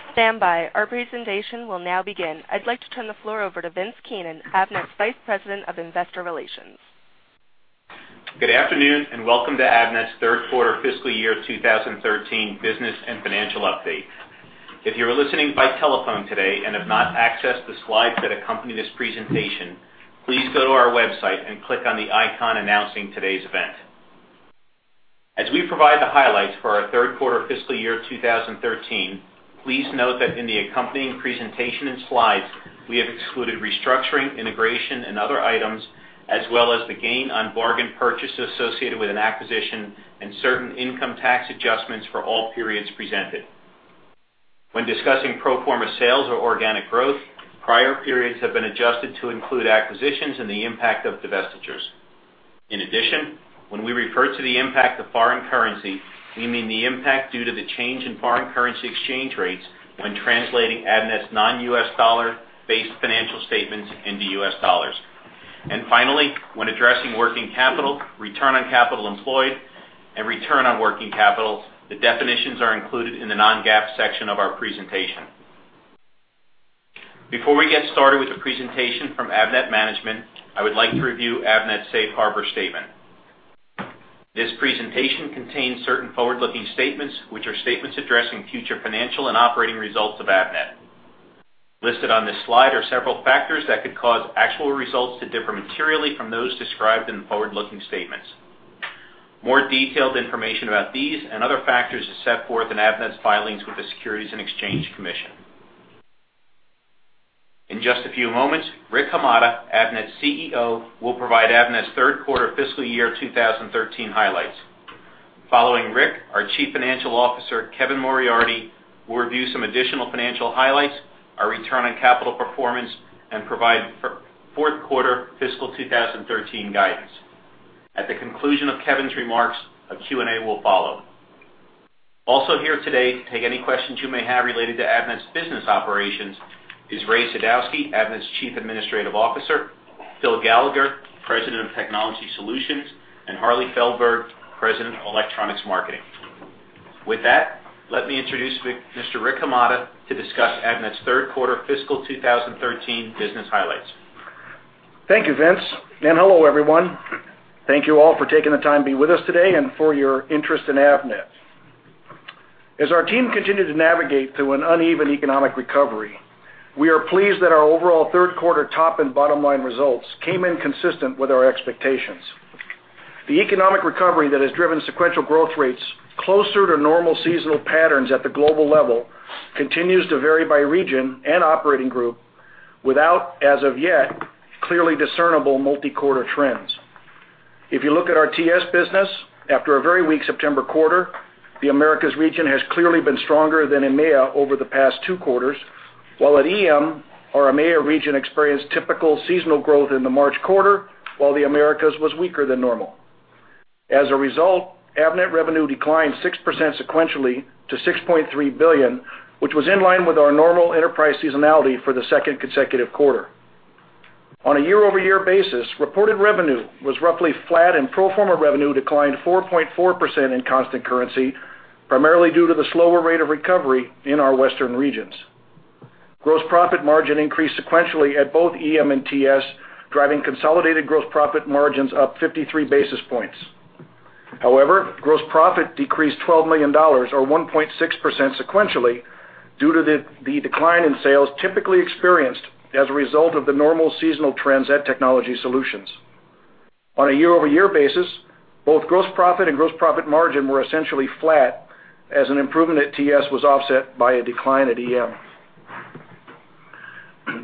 Please stand by. Our presentation will now begin. I'd like to turn the floor over to Vince Keenan, Avnet's Vice President of Investor Relations. Good afternoon and welcome to Avnet's Third Quarter Fiscal Year 2013 Business and Financial Update. If you are listening by telephone today and have not accessed the slides that accompany this presentation, please go to our website and click on the icon announcing today's event. As we provide the highlights for our Third Quarter Fiscal Year 2013, please note that in the accompanying presentation and slides, we have excluded restructuring, integration, and other items, as well as the gain on bargain purchase associated with an acquisition and certain income tax adjustments for all periods presented. When discussing pro forma sales or organic growth, prior periods have been adjusted to include acquisitions and the impact of divestitures. In addition, when we refer to the impact of foreign currency, we mean the impact due to the change in foreign currency exchange rates when translating Avnet's non-U.S. dollar-based financial statements into U.S. dollars. Finally, when addressing working capital, return on capital employed, and return on working capital, the definitions are included in the non-GAAP section of our presentation. Before we get started with the presentation from Avnet Management, I would like to review Avnet's Safe Harbor Statement. This presentation contains certain forward-looking statements, which are statements addressing future financial and operating results of Avnet. Listed on this slide are several factors that could cause actual results to differ materially from those described in the forward-looking statements. More detailed information about these and other factors is set forth in Avnet's filings with the Securities and Exchange Commission. In just a few moments, Rick Hamada, Avnet's CEO, will provide Avnet's Third Quarter Fiscal Year 2013 highlights. Following Rick, our Chief Financial Officer, Kevin Moriarty, will review some additional financial highlights, our return on capital performance, and provide Fourth Quarter Fiscal 2013 guidance. At the conclusion of Kevin's remarks, a Q&A will follow. Also here today to take any questions you may have related to Avnet's business operations is Ray Sadowski, Avnet's Chief Administrative Officer, Phil Gallagher, President of Technology Solutions, and Harley Feldberg, President of Electronics Marketing. With that, let me introduce Mr. Rick Hamada to discuss Avnet's Third Quarter Fiscal 2013 business highlights. Thank you, Vince. Hello, everyone. Thank you all for taking the time to be with us today and for your interest in Avnet. As our team continued to navigate through an uneven economic recovery, we are pleased that our overall third quarter top and bottom line results came in consistent with our expectations. The economic recovery that has driven sequential growth rates closer to normal seasonal patterns at the global level continues to vary by region and operating group without, as of yet, clearly discernible multi-quarter trends. If you look at our TS business, after a very weak September quarter, the Americas region has clearly been stronger than EMEA over the past two quarters, while at EM, our EMEA region experienced typical seasonal growth in the March quarter, while the Americas was weaker than normal. As a result, Avnet revenue declined 6% sequentially to $6.3 billion, which was in line with our normal enterprise seasonality for the second consecutive quarter. On a year-over-year basis, reported revenue was roughly flat, and pro forma revenue declined 4.4% in constant currency, primarily due to the slower rate of recovery in our Western regions. Gross profit margin increased sequentially at both EM and TS, driving consolidated gross profit margins up 53 basis points. However, gross profit decreased $12 million, or 1.6% sequentially, due to the decline in sales typically experienced as a result of the normal seasonal trends at Technology Solutions. On a year-over-year basis, both gross profit and gross profit margin were essentially flat, as an improvement at TS was offset by a decline at EM.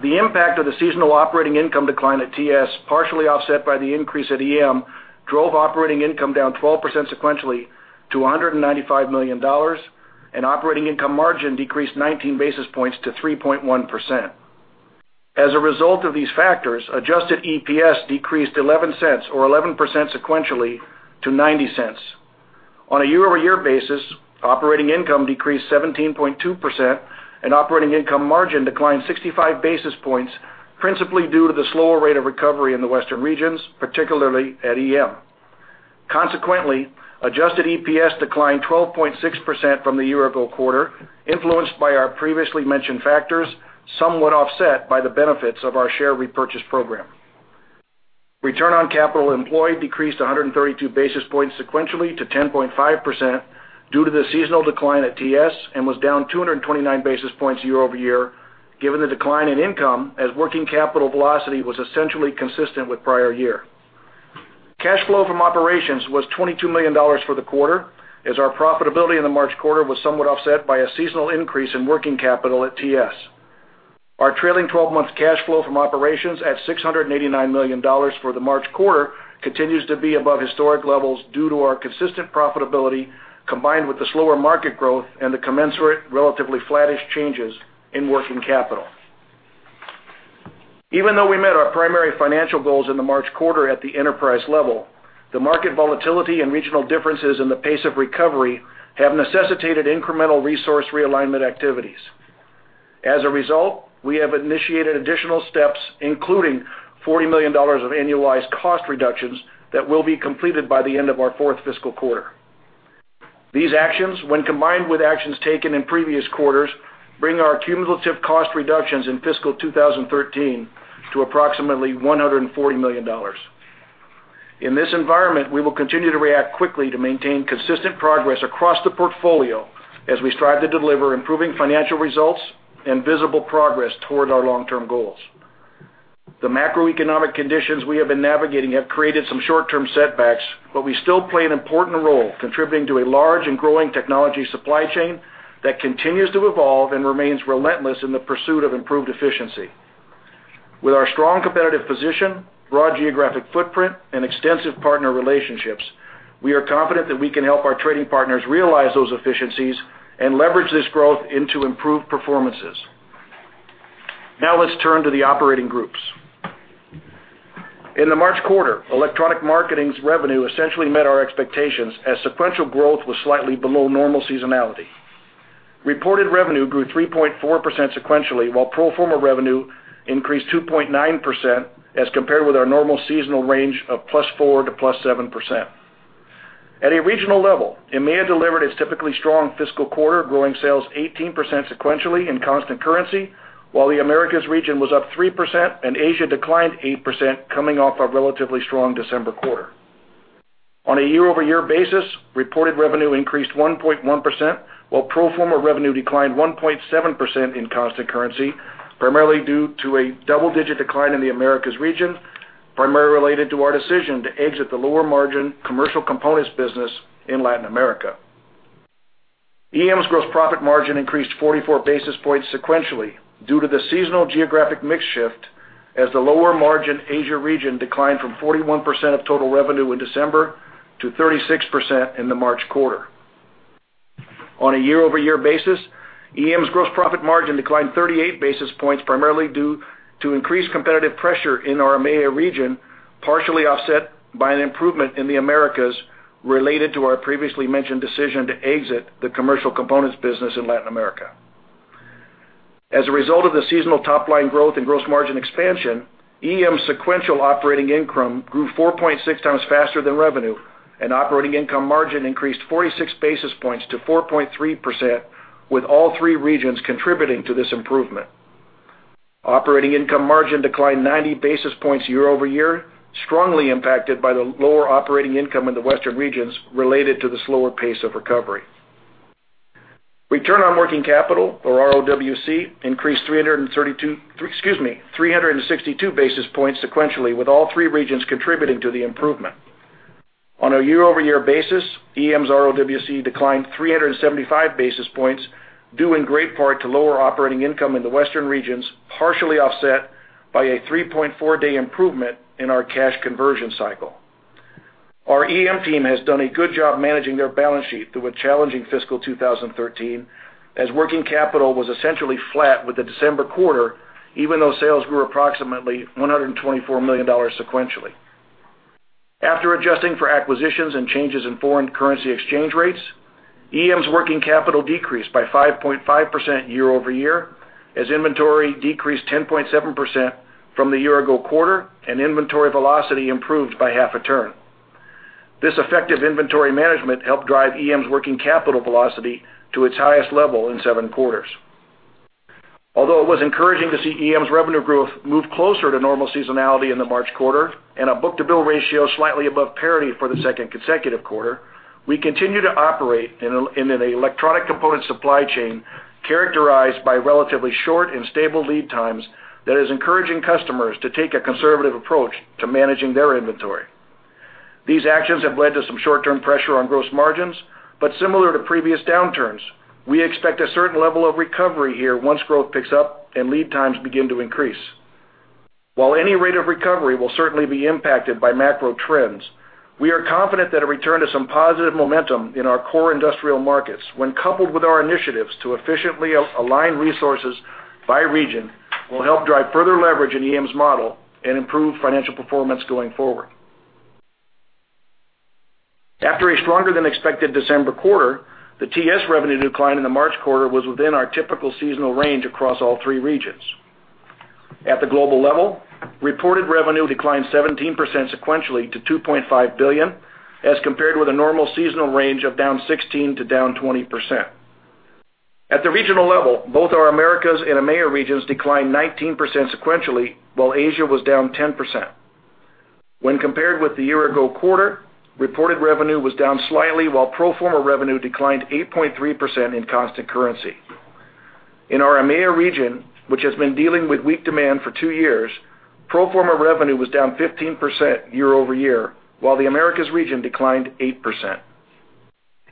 The impact of the seasonal operating income decline at TS, partially offset by the increase at EM, drove operating income down 12% sequentially to $195 million, and operating income margin decreased 19 basis points to 3.1%. As a result of these factors, adjusted EPS decreased $0.11, or 11% sequentially to $0.90. On a year-over-year basis, operating income decreased 17.2%, and operating income margin declined 65 basis points, principally due to the slower rate of recovery in the Western regions, particularly at EM. Consequently, adjusted EPS declined 12.6% from the year-ago quarter, influenced by our previously mentioned factors, somewhat offset by the benefits of our share repurchase program. Return on capital employed decreased 132 basis points sequentially to 10.5% due to the seasonal decline at TS and was down 229 basis points year-over-year, given the decline in income as working capital velocity was essentially consistent with prior year. Cash flow from operations was $22 million for the quarter, as our profitability in the March quarter was somewhat offset by a seasonal increase in working capital at TS. Our trailing 12-month cash flow from operations at $689 million for the March quarter continues to be above historic levels due to our consistent profitability combined with the slower market growth and the commensurate, relatively flattish changes in working capital. Even though we met our primary financial goals in the March quarter at the enterprise level, the market volatility and regional differences in the pace of recovery have necessitated incremental resource realignment activities. As a result, we have initiated additional steps, including $40 million of annualized cost reductions that will be completed by the end of our Fourth Fiscal Quarter. These actions, when combined with actions taken in previous quarters, bring our cumulative cost reductions in Fiscal 2013 to approximately $140 million. In this environment, we will continue to react quickly to maintain consistent progress across the portfolio as we strive to deliver improving financial results and visible progress toward our long-term goals. The macroeconomic conditions we have been navigating have created some short-term setbacks, but we still play an important role contributing to a large and growing technology supply chain that continues to evolve and remains relentless in the pursuit of improved efficiency. With our strong competitive position, broad geographic footprint, and extensive partner relationships, we are confident that we can help our trading partners realize those efficiencies and leverage this growth into improved performances. Now let's turn to the operating groups. In the March quarter, Electronics Marketing's revenue essentially met our expectations as sequential growth was slightly below normal seasonality. Reported revenue grew 3.4% sequentially, while pro forma revenue increased 2.9% as compared with our normal seasonal range of +4%-+7%. At a regional level, EMEA delivered its typically strong fiscal quarter, growing sales 18% sequentially in constant currency, while the Americas region was up 3% and Asia declined 8%, coming off a relatively strong December quarter. On a year-over-year basis, reported revenue increased 1.1%, while pro forma revenue declined 1.7% in constant currency, primarily due to a double-digit decline in the Americas region, primarily related to our decision to exit the lower-margin commercial components business in Latin America. EM's gross profit margin increased 44 basis points sequentially due to the seasonal geographic mix shift as the lower-margin Asia region declined from 41% of total revenue in December to 36% in the March quarter. On a year-over-year basis, EM's gross profit margin declined 38 basis points, primarily due to increased competitive pressure in our EMEA region, partially offset by an improvement in the Americas related to our previously mentioned decision to exit the commercial components business in Latin America. As a result of the seasonal top-line growth and gross margin expansion, EM's sequential operating income grew 4.6x faster than revenue, and operating income margin increased 46 basis points to 4.3%, with all three regions contributing to this improvement. Operating income margin declined 90 basis points year-over-year, strongly impacted by the lower operating income in the Western regions related to the slower pace of recovery. Return on working capital, or ROWC, increased 362 basis points sequentially, with all three regions contributing to the improvement. On a year-over-year basis, EM's ROWC declined 375 basis points, due in great part to lower operating income in the Western regions, partially offset by a 3.4-day improvement in our cash conversion cycle. Our EM team has done a good job managing their balance sheet through a challenging Fiscal 2013, as working capital was essentially flat with the December quarter, even though sales grew approximately $124 million sequentially. After adjusting for acquisitions and changes in foreign currency exchange rates, EM's working capital decreased by 5.5% year-over-year, as inventory decreased 10.7% from the year-ago quarter, and inventory velocity improved by half a turn. This effective inventory management helped drive EM's working capital velocity to its highest level in seven quarters. Although it was encouraging to see EM's revenue growth move closer to normal seasonality in the March quarter and a book-to-bill ratio slightly above parity for the second consecutive quarter, we continue to operate in an electronic components supply chain characterized by relatively short and stable lead times that is encouraging customers to take a conservative approach to managing their inventory. These actions have led to some short-term pressure on gross margins, but similar to previous downturns, we expect a certain level of recovery here once growth picks up and lead times begin to increase. While any rate of recovery will certainly be impacted by macro trends, we are confident that a return to some positive momentum in our core industrial markets, when coupled with our initiatives to efficiently align resources by region, will help drive further leverage in EM's model and improve financial performance going forward. After a stronger-than-expected December quarter, the TS revenue decline in the March quarter was within our typical seasonal range across all three regions. At the global level, reported revenue declined 17% sequentially to $2.5 billion, as compared with a normal seasonal range of down 16%-20%. At the regional level, both our Americas and EMEA regions declined 19% sequentially, while Asia was down 10%. When compared with the year-ago quarter, reported revenue was down slightly, while pro forma revenue declined 8.3% in constant currency. In our EMEA region, which has been dealing with weak demand for two years, pro forma revenue was down 15% year-over-year, while the Americas region declined 8%.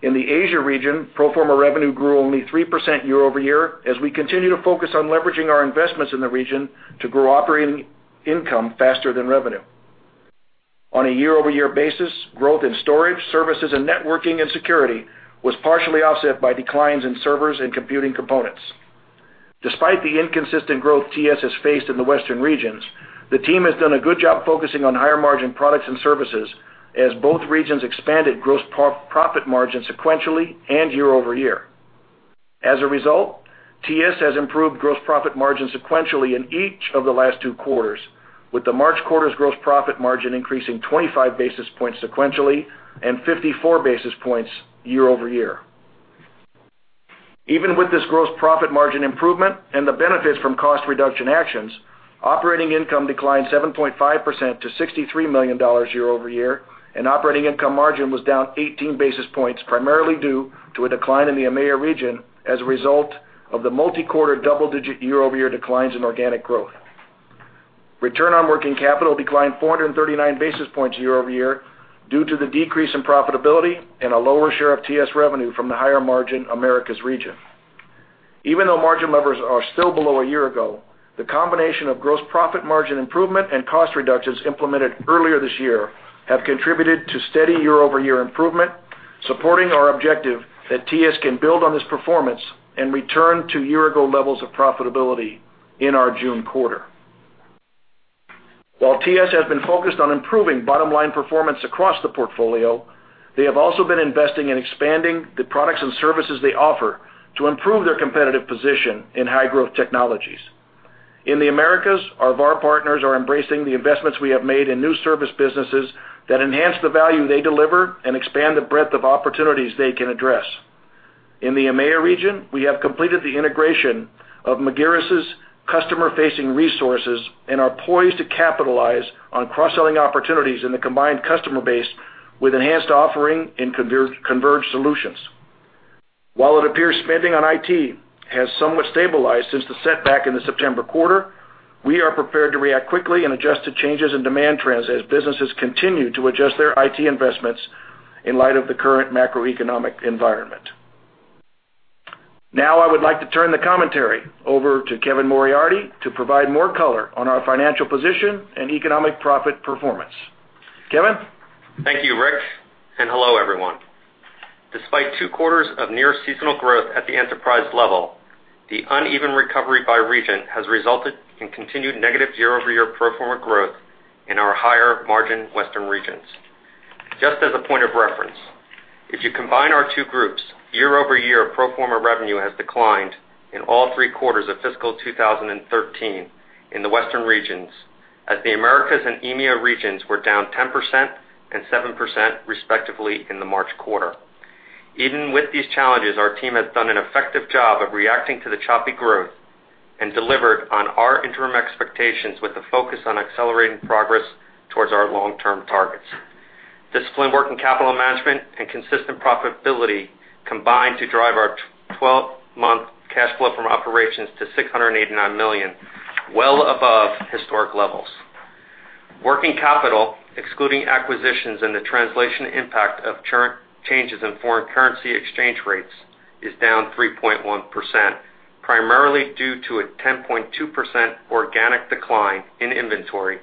In the Asia region, pro forma revenue grew only 3% year-over-year, as we continue to focus on leveraging our investments in the region to grow operating income faster than revenue. On a year-over-year basis, growth in storage, services, networking, and security was partially offset by declines in servers and computing components. Despite the inconsistent growth TS has faced in the Western regions, the team has done a good job focusing on higher-margin products and services, as both regions expanded gross profit margin sequentially and year-over-year. As a result, TS has improved gross profit margin sequentially in each of the last two quarters, with the March quarter's gross profit margin increasing 25 basis points sequentially and 54 basis points year-over-year. Even with this gross profit margin improvement and the benefits from cost reduction actions, operating income declined 7.5% to $63 million year-over-year, and operating income margin was down 18 basis points, primarily due to a decline in the EMEA region as a result of the multi-quarter double-digit year-over-year declines in organic growth. Return on working capital declined 439 basis points year-over-year due to the decrease in profitability and a lower share of TS revenue from the higher-margin Americas region. Even though margin levels are still below a year ago, the combination of gross profit margin improvement and cost reductions implemented earlier this year have contributed to steady year-over-year improvement, supporting our objective that TS can build on this performance and return to year-ago levels of profitability in our June quarter. While TS has been focused on improving bottom-line performance across the portfolio, they have also been investing in expanding the products and services they offer to improve their competitive position in high-growth technologies. In the Americas, our VAR partners are embracing the investments we have made in new service businesses that enhance the value they deliver and expand the breadth of opportunities they can address. In the EMEA region, we have completed the integration of Magirus' customer-facing resources and are poised to capitalize on cross-selling opportunities in the combined customer base with enhanced offering in converged solutions. While it appears spending on IT has somewhat stabilized since the setback in the September quarter, we are prepared to react quickly and adjust to changes in demand trends as businesses continue to adjust their IT investments in light of the current macroeconomic environment. Now I would like to turn the commentary over to Kevin Moriarty to provide more color on our financial position and economic profit performance. Kevin. Thank you, Rick. Hello, everyone. Despite two quarters of near-seasonal growth at the enterprise level, the uneven recovery by region has resulted in continued negative year-over-year pro forma growth in our higher-margin Western regions. Just as a point of reference, if you combine our two groups, year-over-year pro forma revenue has declined in all three quarters of Fiscal 2013 in the Western regions, as the Americas and EMEA regions were down 10% and 7% respectively in the March quarter. Even with these challenges, our team has done an effective job of reacting to the choppy growth and delivered on our interim expectations with a focus on accelerating progress towards our long-term targets. Disciplined working capital management and consistent profitability combined to drive our 12-month cash flow from operations to $689 million, well above historic levels. Working capital, excluding acquisitions and the translation impact of current changes in foreign currency exchange rates, is down 3.1%, primarily due to a 10.2% organic decline in inventory,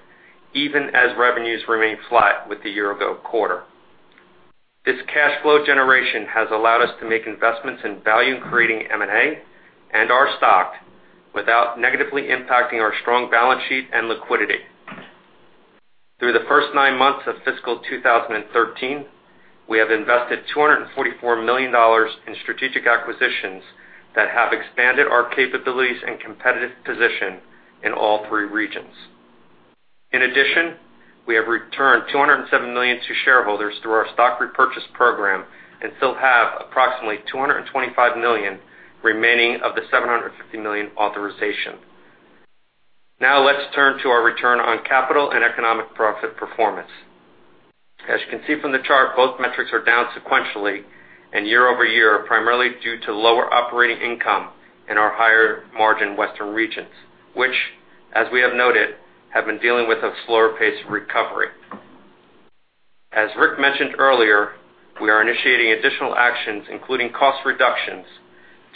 even as revenues remain flat with the year-ago quarter. This cash flow generation has allowed us to make investments in value-creating M&A and our stock without negatively impacting our strong balance sheet and liquidity. Through the first nine months of Fiscal 2013, we have invested $244 million in strategic acquisitions that have expanded our capabilities and competitive position in all three regions. In addition, we have returned $207 million to shareholders through our stock repurchase program and still have approximately $225 million remaining of the $750 million authorization. Now let's turn to our return on capital and economic profit performance. As you can see from the chart, both metrics are down sequentially and year-over-year, primarily due to lower operating income in our higher-margin Western regions, which, as we have noted, have been dealing with a slower pace of recovery. As Rick mentioned earlier, we are initiating additional actions, including cost reductions,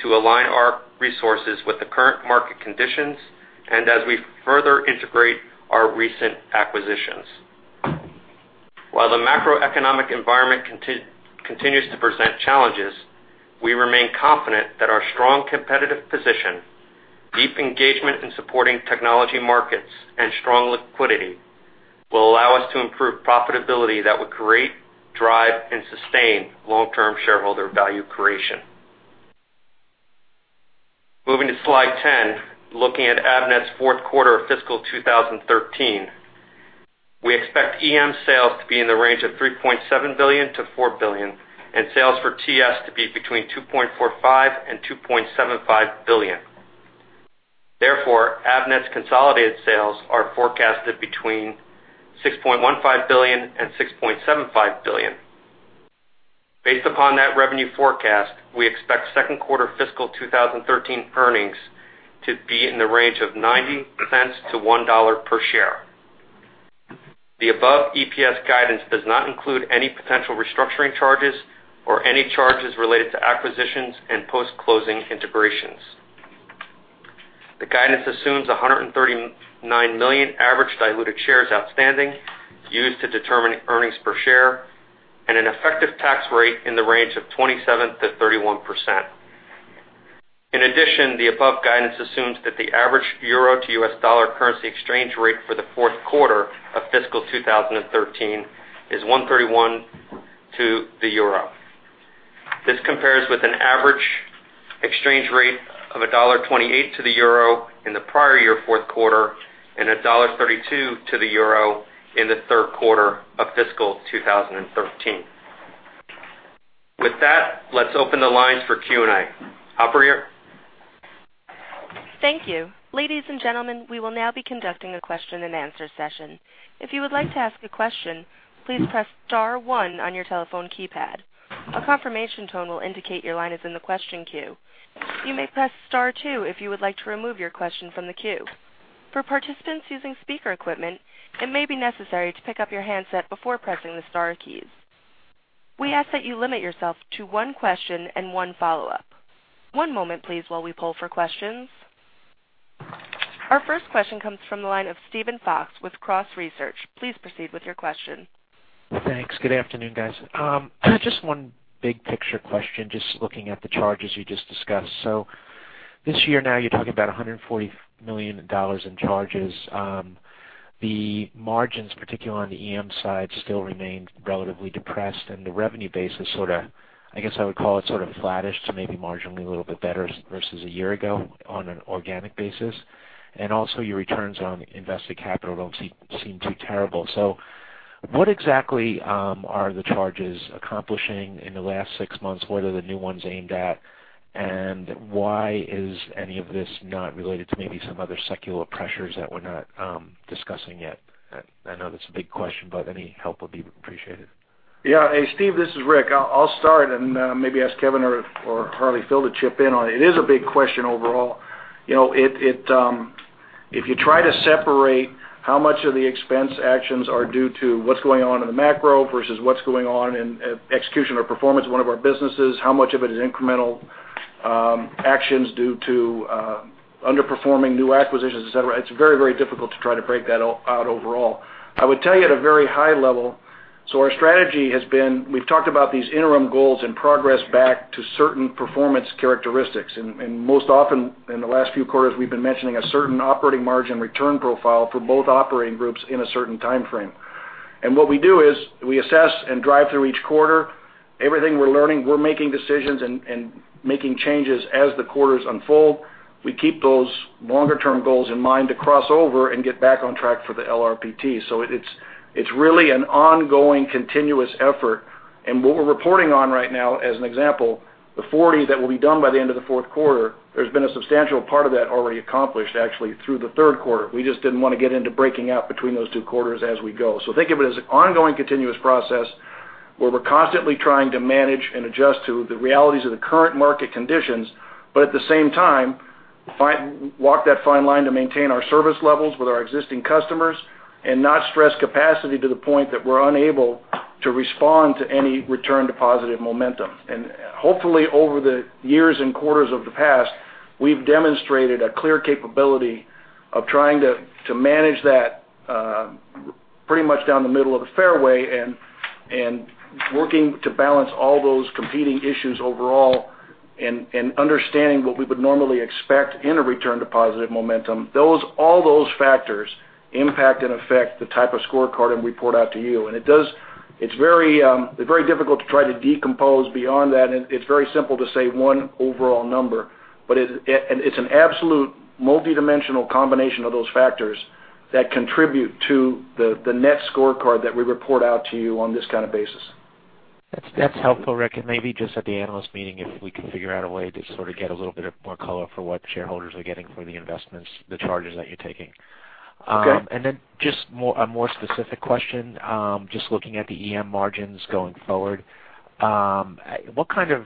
to align our resources with the current market conditions and as we further integrate our recent acquisitions. While the macroeconomic environment continues to present challenges, we remain confident that our strong competitive position, deep engagement in supporting technology markets, and strong liquidity will allow us to improve profitability that would create, drive, and sustain long-term shareholder value creation. Moving to slide 10, looking at Avnet's fourth quarter of Fiscal 2013, we expect EM sales to be in the range of $3.7 billion-$4 billion and sales for TS to be between $2.45 billion and $2.75 billion. Therefore, Avnet's consolidated sales are forecasted between $6.15 billion and $6.75 billion. Based upon that revenue forecast, we expect second quarter Fiscal 2013 earnings to be in the range of $0.90-$1 per share. The above EPS guidance does not include any potential restructuring charges or any charges related to acquisitions and post-closing integrations. The guidance assumes $139 million average diluted shares outstanding used to determine earnings per share and an effective tax rate in the range of 27%-31%. In addition, the above guidance assumes that the average euro to US dollar currency exchange rate for the fourth quarter of Fiscal 2013 is 1.31 to the euro. This compares with an average exchange rate of $1.28 to the euro in the prior year fourth quarter and $1.32 to the euro in the third quarter of Fiscal 2013. With that, let's open the lines for Q&A. Operator. Thank you. Ladies and gentlemen, we will now be conducting a question-and-answer session. If you would like to ask a question, please press Star one on your telephone keypad. A confirmation tone will indicate your line is in the question queue. You may press Star two if you would like to remove your question from the queue. For participants using speaker equipment, it may be necessary to pick up your handset before pressing the Star keys. We ask that you limit yourself to one question and one follow-up. One moment, please, while we pull for questions. Our first question comes from the line of Steven Fox with Cross Research. Please proceed with your question. Thanks. Good afternoon, guys. Just one big-picture question, just looking at the charges you just discussed. So this year now, you're talking about $140 million in charges. The margins, particularly on the EM side, still remain relatively depressed, and the revenue base is sort of, I guess I would call it sort of flattish to maybe marginally a little bit better versus a year ago on an organic basis. And also, your returns on invested capital don't seem too terrible. So what exactly are the charges accomplishing in the last six months? What are the new ones aimed at? And why is any of this not related to maybe some other secular pressures that we're not discussing yet? I know that's a big question, but any help would be appreciated. Yeah. Hey, Steve, this is Rick. I'll start and maybe ask Kevin or Harley or Phil to chip in on it. It is a big question overall. If you try to separate how much of the expense actions are due to what's going on in the macro versus what's going on in execution or performance of one of our businesses, how much of it is incremental actions due to underperforming new acquisitions, etc., it's very, very difficult to try to break that out overall. I would tell you at a very high level, so our strategy has been we've talked about these interim goals and progress back to certain performance characteristics. And most often, in the last few quarters, we've been mentioning a certain operating margin return profile for both operating groups in a certain timeframe. And what we do is we assess and drive through each quarter everything we're learning. We're making decisions and making changes as the quarters unfold. We keep those longer-term goals in mind to cross over and get back on track for the LRPT. So it's really an ongoing continuous effort. And what we're reporting on right now, as an example, the 40 that will be done by the end of the fourth quarter, there's been a substantial part of that already accomplished, actually, through the third quarter. We just didn't want to get into breaking out between those two quarters as we go. So think of it as an ongoing continuous process where we're constantly trying to manage and adjust to the realities of the current market conditions, but at the same time, walk that fine line to maintain our service levels with our existing customers and not stress capacity to the point that we're unable to respond to any return to positive momentum. And hopefully, over the years and quarters of the past, we've demonstrated a clear capability of trying to manage that pretty much down the middle of the fairway and working to balance all those competing issues overall and understanding what we would normally expect in a return to positive momentum. All those factors impact and affect the type of scorecard we port out to you. And it's very difficult to try to decompose beyond that. It's very simple to say one overall number, but it's an absolute multidimensional combination of those factors that contribute to the net scorecard that we report out to you on this kind of basis. That's helpful, Rick. And maybe just at the analyst meeting, if we could figure out a way to sort of get a little bit of more color for what shareholders are getting for the investments, the charges that you're taking. And then just a more specific question, just looking at the EM margins going forward, what kind of,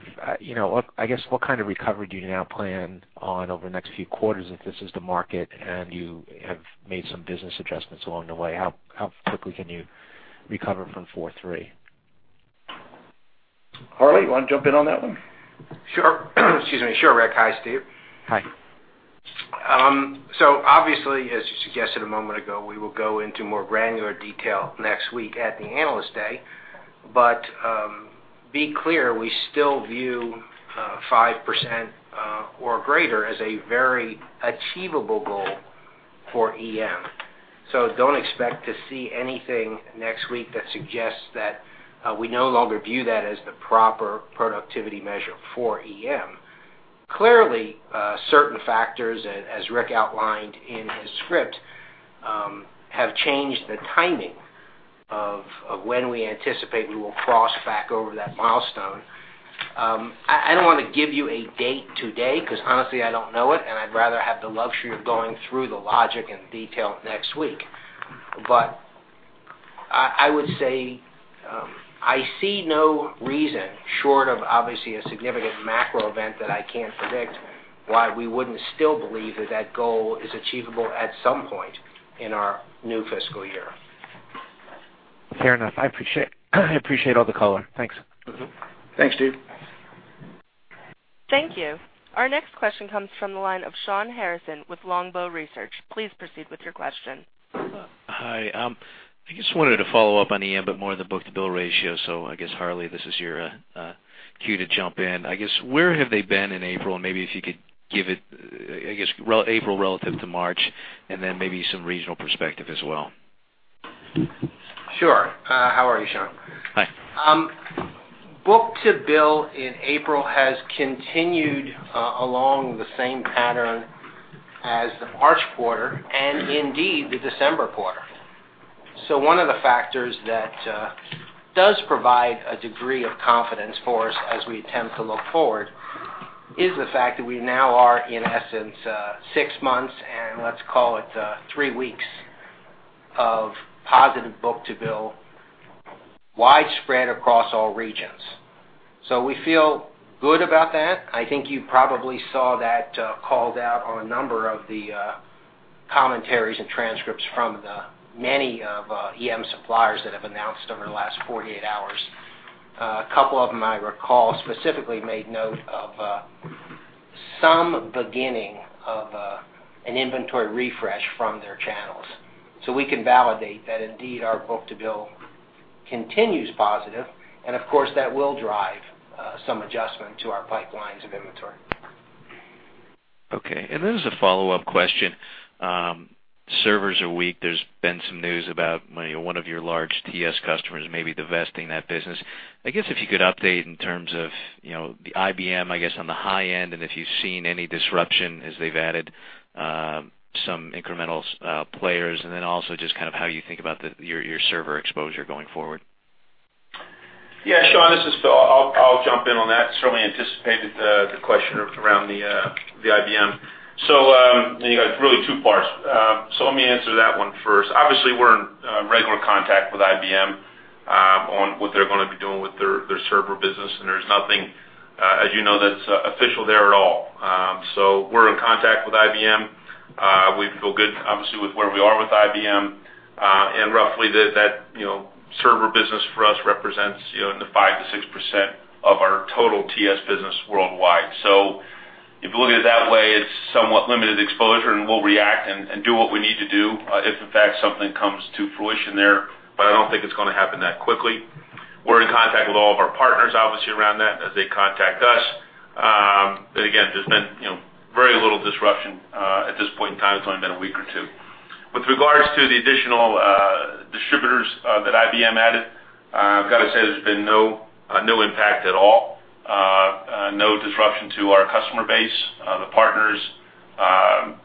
I guess, what kind of recovery do you now plan on over the next few quarters if this is the market and you have made some business adjustments along the way? How quickly can you recover from 4.3? Harley, you want to jump in on that one? Sure. Excuse me. Sure, Rick. Hi, Steve. Hi. So obviously, as you suggested a moment ago, we will go into more granular detail next week at the Analyst Day. But be clear, we still view 5% or greater as a very achievable goal for EM. So don't expect to see anything next week that suggests that we no longer view that as the proper productivity measure for EM. Clearly, certain factors, as Rick outlined in his script, have changed the timing of when we anticipate we will cross back over that milestone. I don't want to give you a date today because, honestly, I don't know it, and I'd rather have the luxury of going through the logic and detail next week. But I would say I see no reason, short of obviously a significant macro event that I can't predict, why we wouldn't still believe that that goal is achievable at some point in our new fiscal year. Fair enough. I appreciate all the color. Thanks. Thanks, Steve. Thank you. Our next question comes from the line of Shawn Harrison with Longbow Research. Please proceed with your question. Hi. I just wanted to follow up on EM, but more on the book-to-bill ratio. So I guess, Harley, this is your cue to jump in. I guess, where have they been in April? And maybe if you could give it, I guess, April relative to March and then maybe some regional perspective as well. Sure. How are you, Sean? Hi. Book-to-bill in April has continued along the same pattern as the March quarter and indeed the December quarter. So one of the factors that does provide a degree of confidence for us as we attempt to look forward is the fact that we now are, in essence, six months and let's call it three weeks of positive book-to-bill widespread across all regions. So we feel good about that. I think you probably saw that called out on a number of the commentaries and transcripts from the many of EM suppliers that have announced over the last 48 hours. A couple of them, I recall, specifically made note of some beginning of an inventory refresh from their channels. So we can validate that indeed our book-to-bill continues positive. And of course, that will drive some adjustment to our pipelines of inventory. Okay. And this is a follow-up question. Servers are weak. There's been some news about one of your large TS customers maybe divesting that business. I guess if you could update in terms of the IBM, I guess, on the high end and if you've seen any disruption as they've added some incremental players and then also just kind of how you think about your server exposure going forward. Yeah. Sean, this is Phil. I'll jump in on that. Certainly anticipated the question around the IBM. So it's really two parts. So let me answer that one first. Obviously, we're in regular contact with IBM on what they're going to be doing with their server business, and there's nothing, as you know, that's official there at all. So we're in contact with IBM. We feel good, obviously, with where we are with IBM. And roughly, that server business for us represents the 5%-6% of our total TS business worldwide. So if you look at it that way, it's somewhat limited exposure, and we'll react and do what we need to do if, in fact, something comes to fruition there. But I don't think it's going to happen that quickly. We're in contact with all of our partners, obviously, around that as they contact us. But again, there's been very little disruption at this point in time. It's only been a week or two. With regards to the additional distributors that IBM added, I've got to say there's been no impact at all, no disruption to our customer base, the partners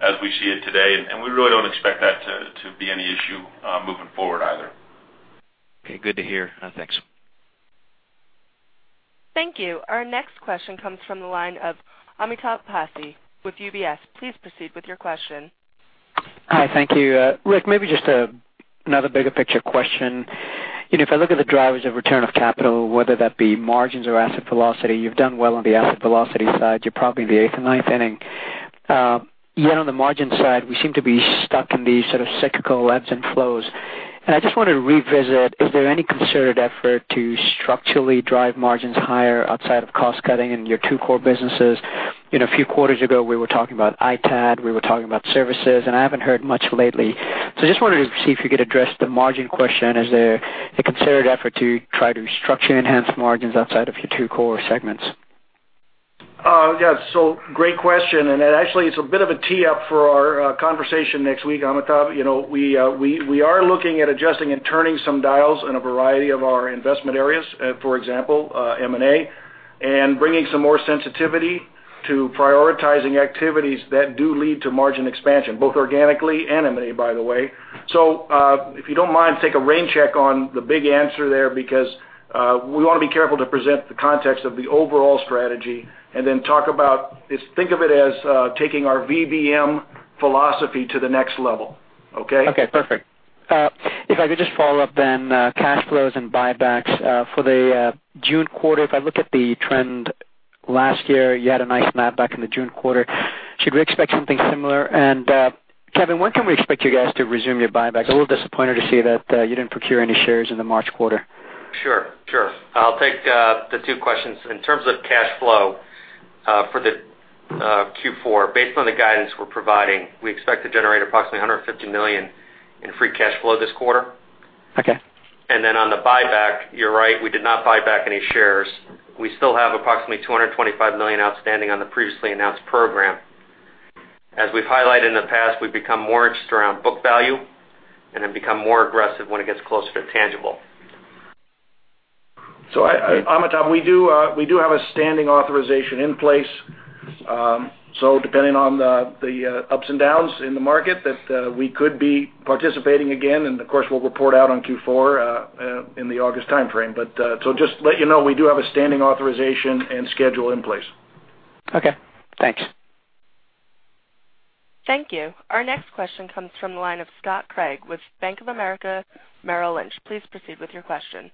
as we see it today. And we really don't expect that to be any issue moving forward either. Okay. Good to hear. Thanks. Thank you. Our next question comes from the line of Amitabh Passi with UBS. Please proceed with your question. Hi. Thank you. Rick, maybe just another bigger-picture question. If I look at the drivers of return of capital, whether that be margins or asset velocity, you've done well on the asset velocity side. You're probably in the eighth and ninth inning. Yet on the margin side, we seem to be stuck in these sort of cyclical ebbs and flows. And I just want to revisit, is there any concerted effort to structurally drive margins higher outside of cost-cutting in your two core businesses? A few quarters ago, we were talking about iPad. We were talking about services, and I haven't heard much lately. So I just wanted to see if you could address the margin question. Is there a concerted effort to try to structure enhanced margins outside of your two core segments? Yeah. So great question. And actually, it's a bit of a tee-up for our conversation next week, Amitabh. We are looking at adjusting and turning some dials in a variety of our investment areas, for example, M&A, and bringing some more sensitivity to prioritizing activities that do lead to margin expansion, both organically and M&A, by the way. So if you don't mind, take a rain check on the big answer there because we want to be careful to present the context of the overall strategy and then talk about think of it as taking our VBM philosophy to the next level. Okay? Okay. Perfect. If I could just follow up then, cash flows and buybacks for the June quarter, if I look at the trend last year, you had a nice snap back in the June quarter. Should we expect something similar? And Kevin, when can we expect you guys to resume your buybacks? A little disappointed to see that you didn't procure any shares in the March quarter. Sure. Sure. I'll take the two questions. In terms of cash flow for the Q4, based on the guidance we're providing, we expect to generate approximately $150 million in free cash flow this quarter. And then on the buyback, you're right. We did not buy back any shares. We still have approximately 225 million outstanding on the previously announced program. As we've highlighted in the past, we've become more interested around book value and have become more aggressive when it gets closer to tangible. So Amitabh, we do have a standing authorization in place. So depending on the ups and downs in the market, we could be participating again. And of course, we'll report out on Q4 in the August timeframe. But so just let you know, we do have a standing authorization and schedule in place. Okay. Thanks. Thank you. Our next question comes from the line of Scott Craig with Bank of America Merrill Lynch. Please proceed with your question.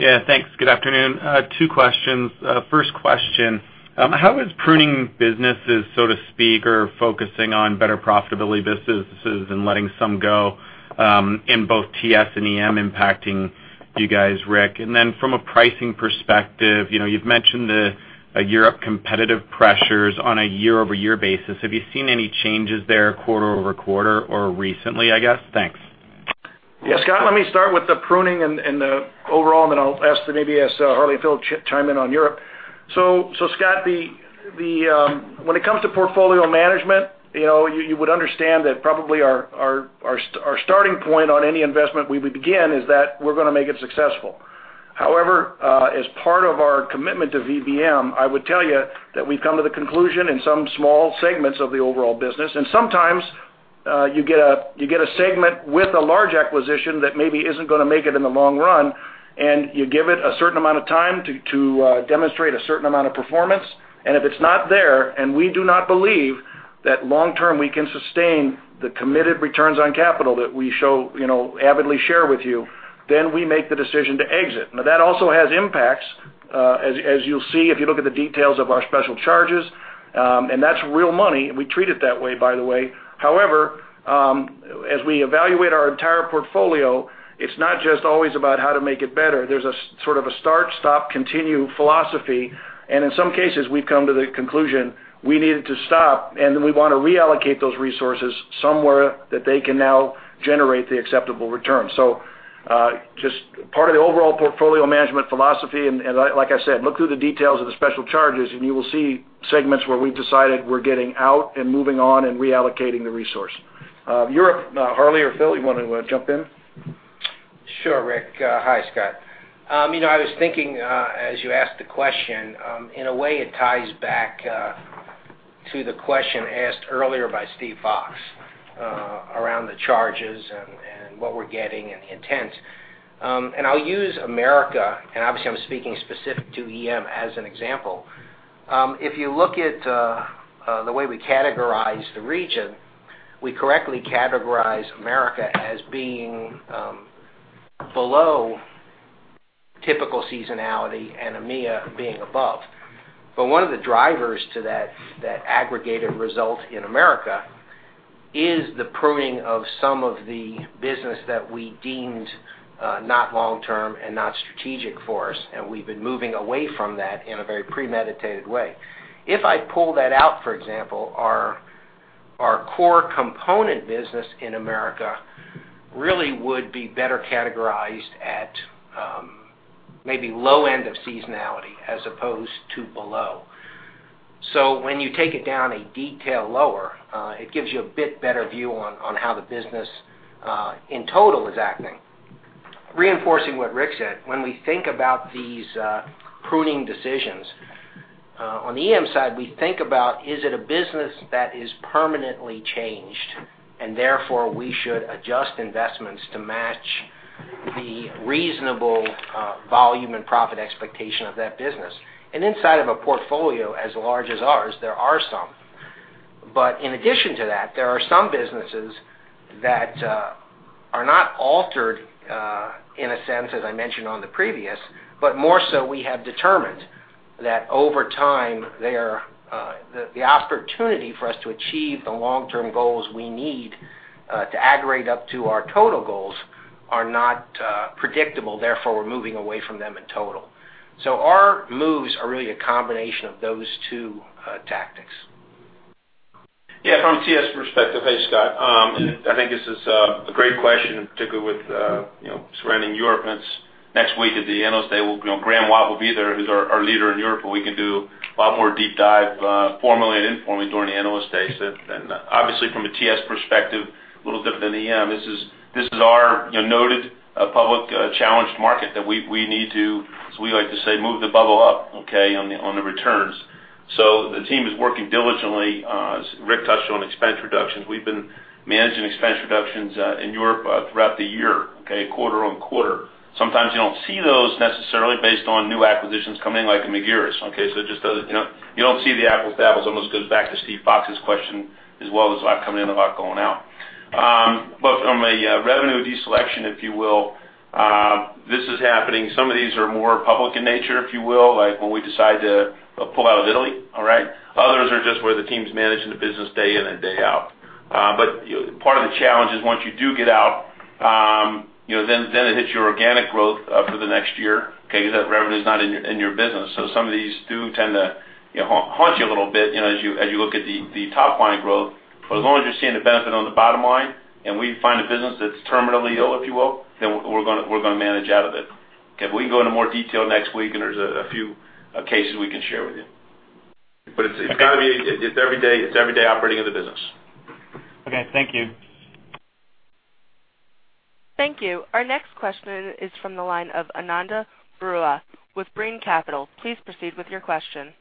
Yeah. Thanks. Good afternoon. Two questions. First question, how is pruning businesses, so to speak, or focusing on better profitability businesses and letting some go in both TS and EM impacting you guys, Rick? And then from a pricing perspective, you've mentioned the European competitive pressures on a year-over-year basis. Have you seen any changes there quarter-over-quarter or recently, I guess? Thanks. Yeah. Scott, let me start with the pruning and the overall, and then I'll ask maybe as Harley and Phil chime in on Europe. So Scott, when it comes to portfolio management, you would understand that probably our starting point on any investment we begin is that we're going to make it successful. However, as part of our commitment to VBM, I would tell you that we've come to the conclusion in some small segments of the overall business. Sometimes you get a segment with a large acquisition that maybe isn't going to make it in the long run, and you give it a certain amount of time to demonstrate a certain amount of performance. If it's not there, and we do not believe that long-term we can sustain the committed returns on capital that we so avidly share with you, then we make the decision to exit. Now, that also has impacts, as you'll see if you look at the details of our special charges. That's real money. We treat it that way, by the way. However, as we evaluate our entire portfolio, it's not just always about how to make it better. There's a sort of a start, stop, continue philosophy. In some cases, we've come to the conclusion we needed to stop, and we want to reallocate those resources somewhere that they can now generate the acceptable return. So just part of the overall portfolio management philosophy. And like I said, look through the details of the special charges, and you will see segments where we've decided we're getting out and moving on and reallocating the resource. Europe, Harley or Phil, you want to jump in? Sure, Rick. Hi, Scott. I was thinking, as you asked the question, in a way, it ties back to the question asked earlier by Steve Fox around the charges and what we're getting and the intent. And I'll use America, and obviously, I'm speaking specific to EM as an example. If you look at the way we categorize the region, we correctly categorize America as being below typical seasonality and EMEA being above. But one of the drivers to that aggregated result in America is the pruning of some of the business that we deemed not long-term and not strategic for us. And we've been moving away from that in a very premeditated way. If I pull that out, for example, our core component business in America really would be better categorized at maybe low end of seasonality as opposed to below. So when you take it down a detail lower, it gives you a bit better view on how the business in total is acting. Reinforcing what Rick said, when we think about these pruning decisions on the EM side, we think about, is it a business that is permanently changed and therefore we should adjust investments to match the reasonable volume and profit expectation of that business? And inside of a portfolio as large as ours, there are some. But in addition to that, there are some businesses that are not altered in a sense, as I mentioned on the previous, but more so we have determined that over time, the opportunity for us to achieve the long-term goals we need to aggregate up to our total goals are not predictable. Therefore, we're moving away from them in total. So our moves are really a combination of those two tactics. Yeah. From a TS perspective, hey, Scott. I think this is a great question, particularly with surrounding Europe. Next week at the Analyst Day, Graeme Watt will be there, who's our leader in Europe, and we can do a lot more deep dive formally and informally during the Analyst Day. Obviously, from a TS perspective, a little different than EM. This is our noted public challenged market that we need to, as we like to say, move the bubble up, okay, on the returns. So the team is working diligently. Rick touched on expense reductions. We've been managing expense reductions in Europe throughout the year, okay, quarter on quarter. Sometimes you don't see those necessarily based on new acquisitions coming in like in Magirus, okay? So it just doesn't you don't see the apples to apples. It almost goes back to Steve Fox's question as well as a lot coming in and a lot going out. But from a revenue deselection, if you will, this is happening. Some of these are more public in nature, if you will, like when we decide to pull out of Italy, all right? Others are just where the team's managing the business day in and day out. But part of the challenge is once you do get out, then it hits your organic growth for the next year, okay, because that revenue is not in your business. So some of these do tend to haunt you a little bit as you look at the top line growth. But as long as you're seeing a benefit on the bottom line and we find a business that's terminally ill, if you will, then we're going to manage out of it. Okay? But we can go into more detail next week, and there's a few cases we can share with you. But it's got to be it's every day operating of the business. Okay. Thank you. Thank you. Our next question is from the line of Ananda Baruah with Brean Capital. Please proceed with your question.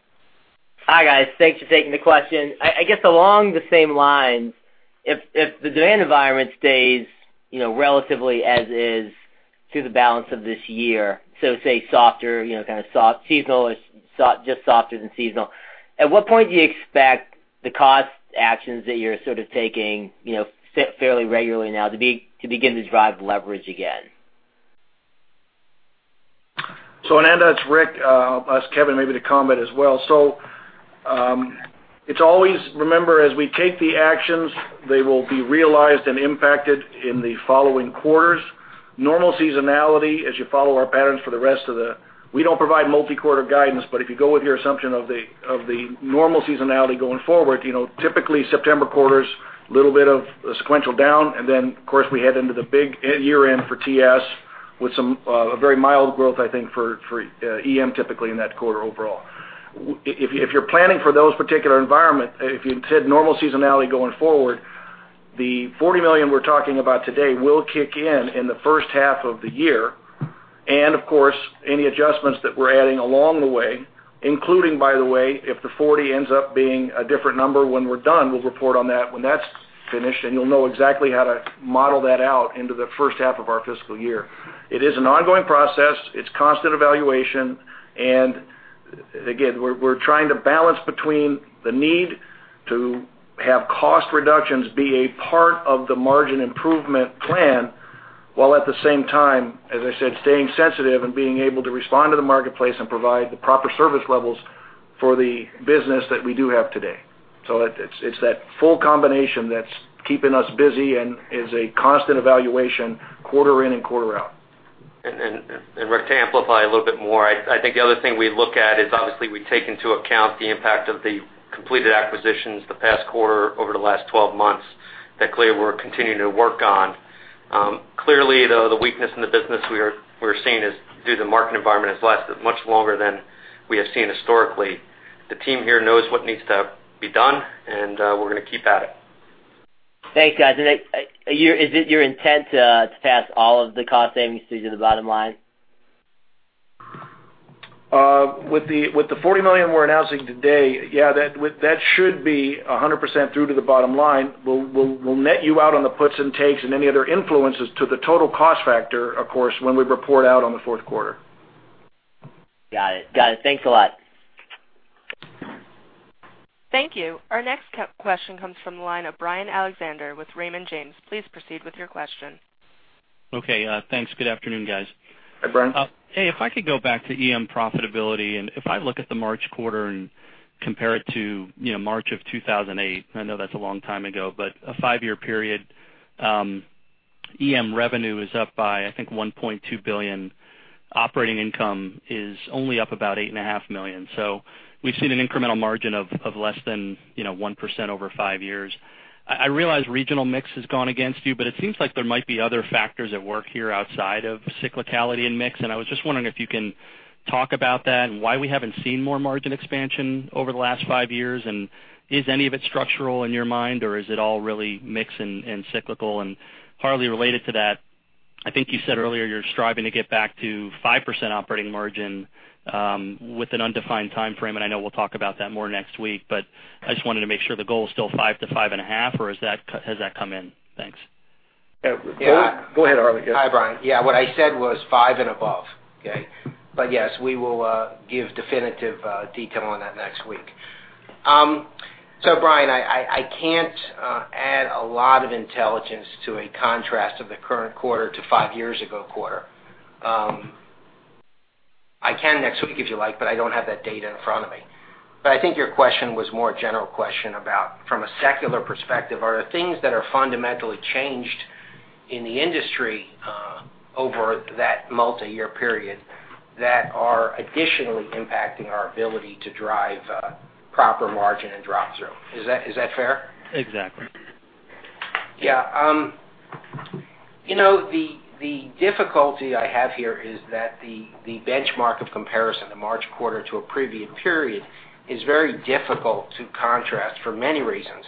Hi, guys. Thanks for taking the question. I guess along the same lines, if the demand environment stays relatively as is through the balance of this year, so say softer, kind of seasonal, just softer than seasonal, at what point do you expect the cost actions that you're sort of taking fairly regularly now to begin to drive leverage again? So Ananda, it's Rick. I'll ask Kevin maybe to comment as well. So it's always remember, as we take the actions, they will be realized and impacted in the following quarters. Normal seasonality, as you follow our patterns for the rest of the year, we don't provide multi-quarter guidance, but if you go with your assumption of the normal seasonality going forward, typically September quarter, a little bit of a sequential down. And then, of course, we head into the big year-end for TS with some very mild growth, I think, for EM typically in that quarter overall. If you're planning for those particular environments, if you said normal seasonality going forward, the $40 million we're talking about today will kick in in the first half of the year. And of course, any adjustments that we're adding along the way, including, by the way, if the $40 ends up being a different number when we're done, we'll report on that when that's finished, and you'll know exactly how to model that out into the first half of our fiscal year. It is an ongoing process. It's constant evaluation. And again, we're trying to balance between the need to have cost reductions be a part of the margin improvement plan while at the same time, as I said, staying sensitive and being able to respond to the marketplace and provide the proper service levels for the business that we do have today. So it's that full combination that's keeping us busy and is a constant evaluation quarter in and quarter out. And Rick, to amplify a little bit more, I think the other thing we look at is obviously we take into account the impact of the completed acquisitions the past quarter over the last 12 months that clearly we're continuing to work on. Clearly, though, the weakness in the business we're seeing is due to the market environment has lasted much longer than we have seen historically. The team here knows what needs to be done, and we're going to keep at it. Thanks, guys. Is it your intent to pass all of the cost savings through to the bottom line? With the $40 million we're announcing today, yeah, that should be 100% through to the bottom line. We'll net you out on the puts and takes and any other influences to the total cost factor, of course, when we report out on the fourth quarter. Got it. Got it. Thanks a lot. Thank you. Our next question comes from the line of Brian Alexander with Raymond James. Please proceed with your question. Okay. Thanks. Good afternoon, guys. Hey, Brian. Hey, if I could go back to EM profitability and if I look at the March quarter and compare it to March of 2008, I know that's a long time ago, but a five-year period, EM revenue is up by, I think, $1.2 billion. Operating income is only up about $8.5 million. So we've seen an incremental margin of less than 1% over five years. I realize regional mix has gone against you, but it seems like there might be other factors at work here outside of cyclicality and mix. I was just wondering if you can talk about that and why we haven't seen more margin expansion over the last five years. Is any of it structural in your mind, or is it all really mix and cyclical? Harley, related to that, I think you said earlier you're striving to get back to 5% operating margin with an undefined timeframe. I know we'll talk about that more next week, but I just wanted to make sure the goal is still 5%-5.5%, or has that come in? Thanks. Go ahead, Harley. Hi, Brian. Yeah. What I said was 5% and above, okay? But yes, we will give definitive detail on that next week. So, Brian, I can't add a lot of intelligence to a contrast of the current quarter to five years ago quarter. I can next week if you like, but I don't have that data in front of me. But I think your question was more a general question about, from a secular perspective, are there things that are fundamentally changed in the industry over that multi-year period that are additionally impacting our ability to drive proper margin and drop-through? Is that fair? Exactly. Yeah. The difficulty I have here is that the benchmark of comparison, the March quarter to a previous period, is very difficult to contrast for many reasons.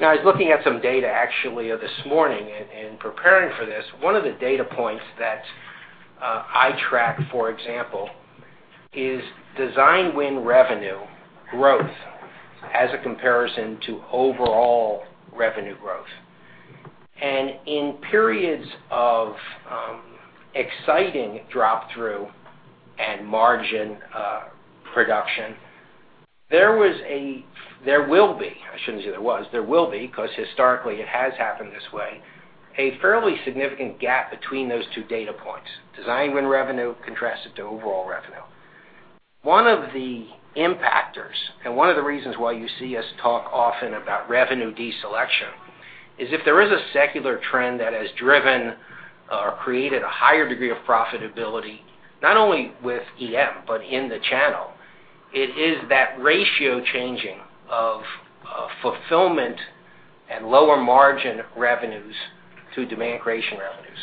Now, I was looking at some data actually this morning and preparing for this. One of the data points that I track, for example, is design win revenue growth as a comparison to overall revenue growth. In periods of exciting drop-through and margin production, there was a, there will be. I shouldn't say there was. There will be because historically it has happened this way, a fairly significant gap between those two data points: design win revenue contrasted to overall revenue. One of the impactors and one of the reasons why you see us talk often about revenue deselection is if there is a secular trend that has driven or created a higher degree of profitability, not only with EM but in the channel, it is that ratio changing of fulfillment and lower margin revenues to demand creation revenues.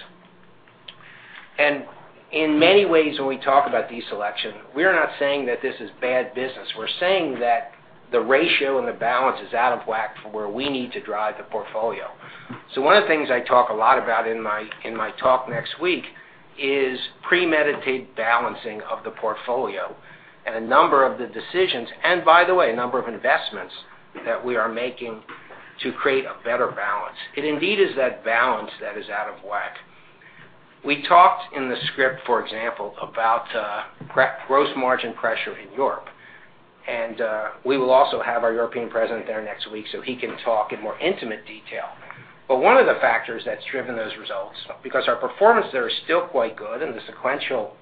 In many ways, when we talk about deselection, we're not saying that this is bad business. We're saying that the ratio and the balance is out of whack for where we need to drive the portfolio. So one of the things I talk a lot about in my talk next week is premeditated balancing of the portfolio and a number of the decisions and, by the way, a number of investments that we are making to create a better balance. It indeed is that balance that is out of whack. We talked in the script, for example, about gross margin pressure in Europe. And we will also have our European president there next week so he can talk in more intimate detail. But one of the factors that's driven those results, because our performance there is still quite good and the sequential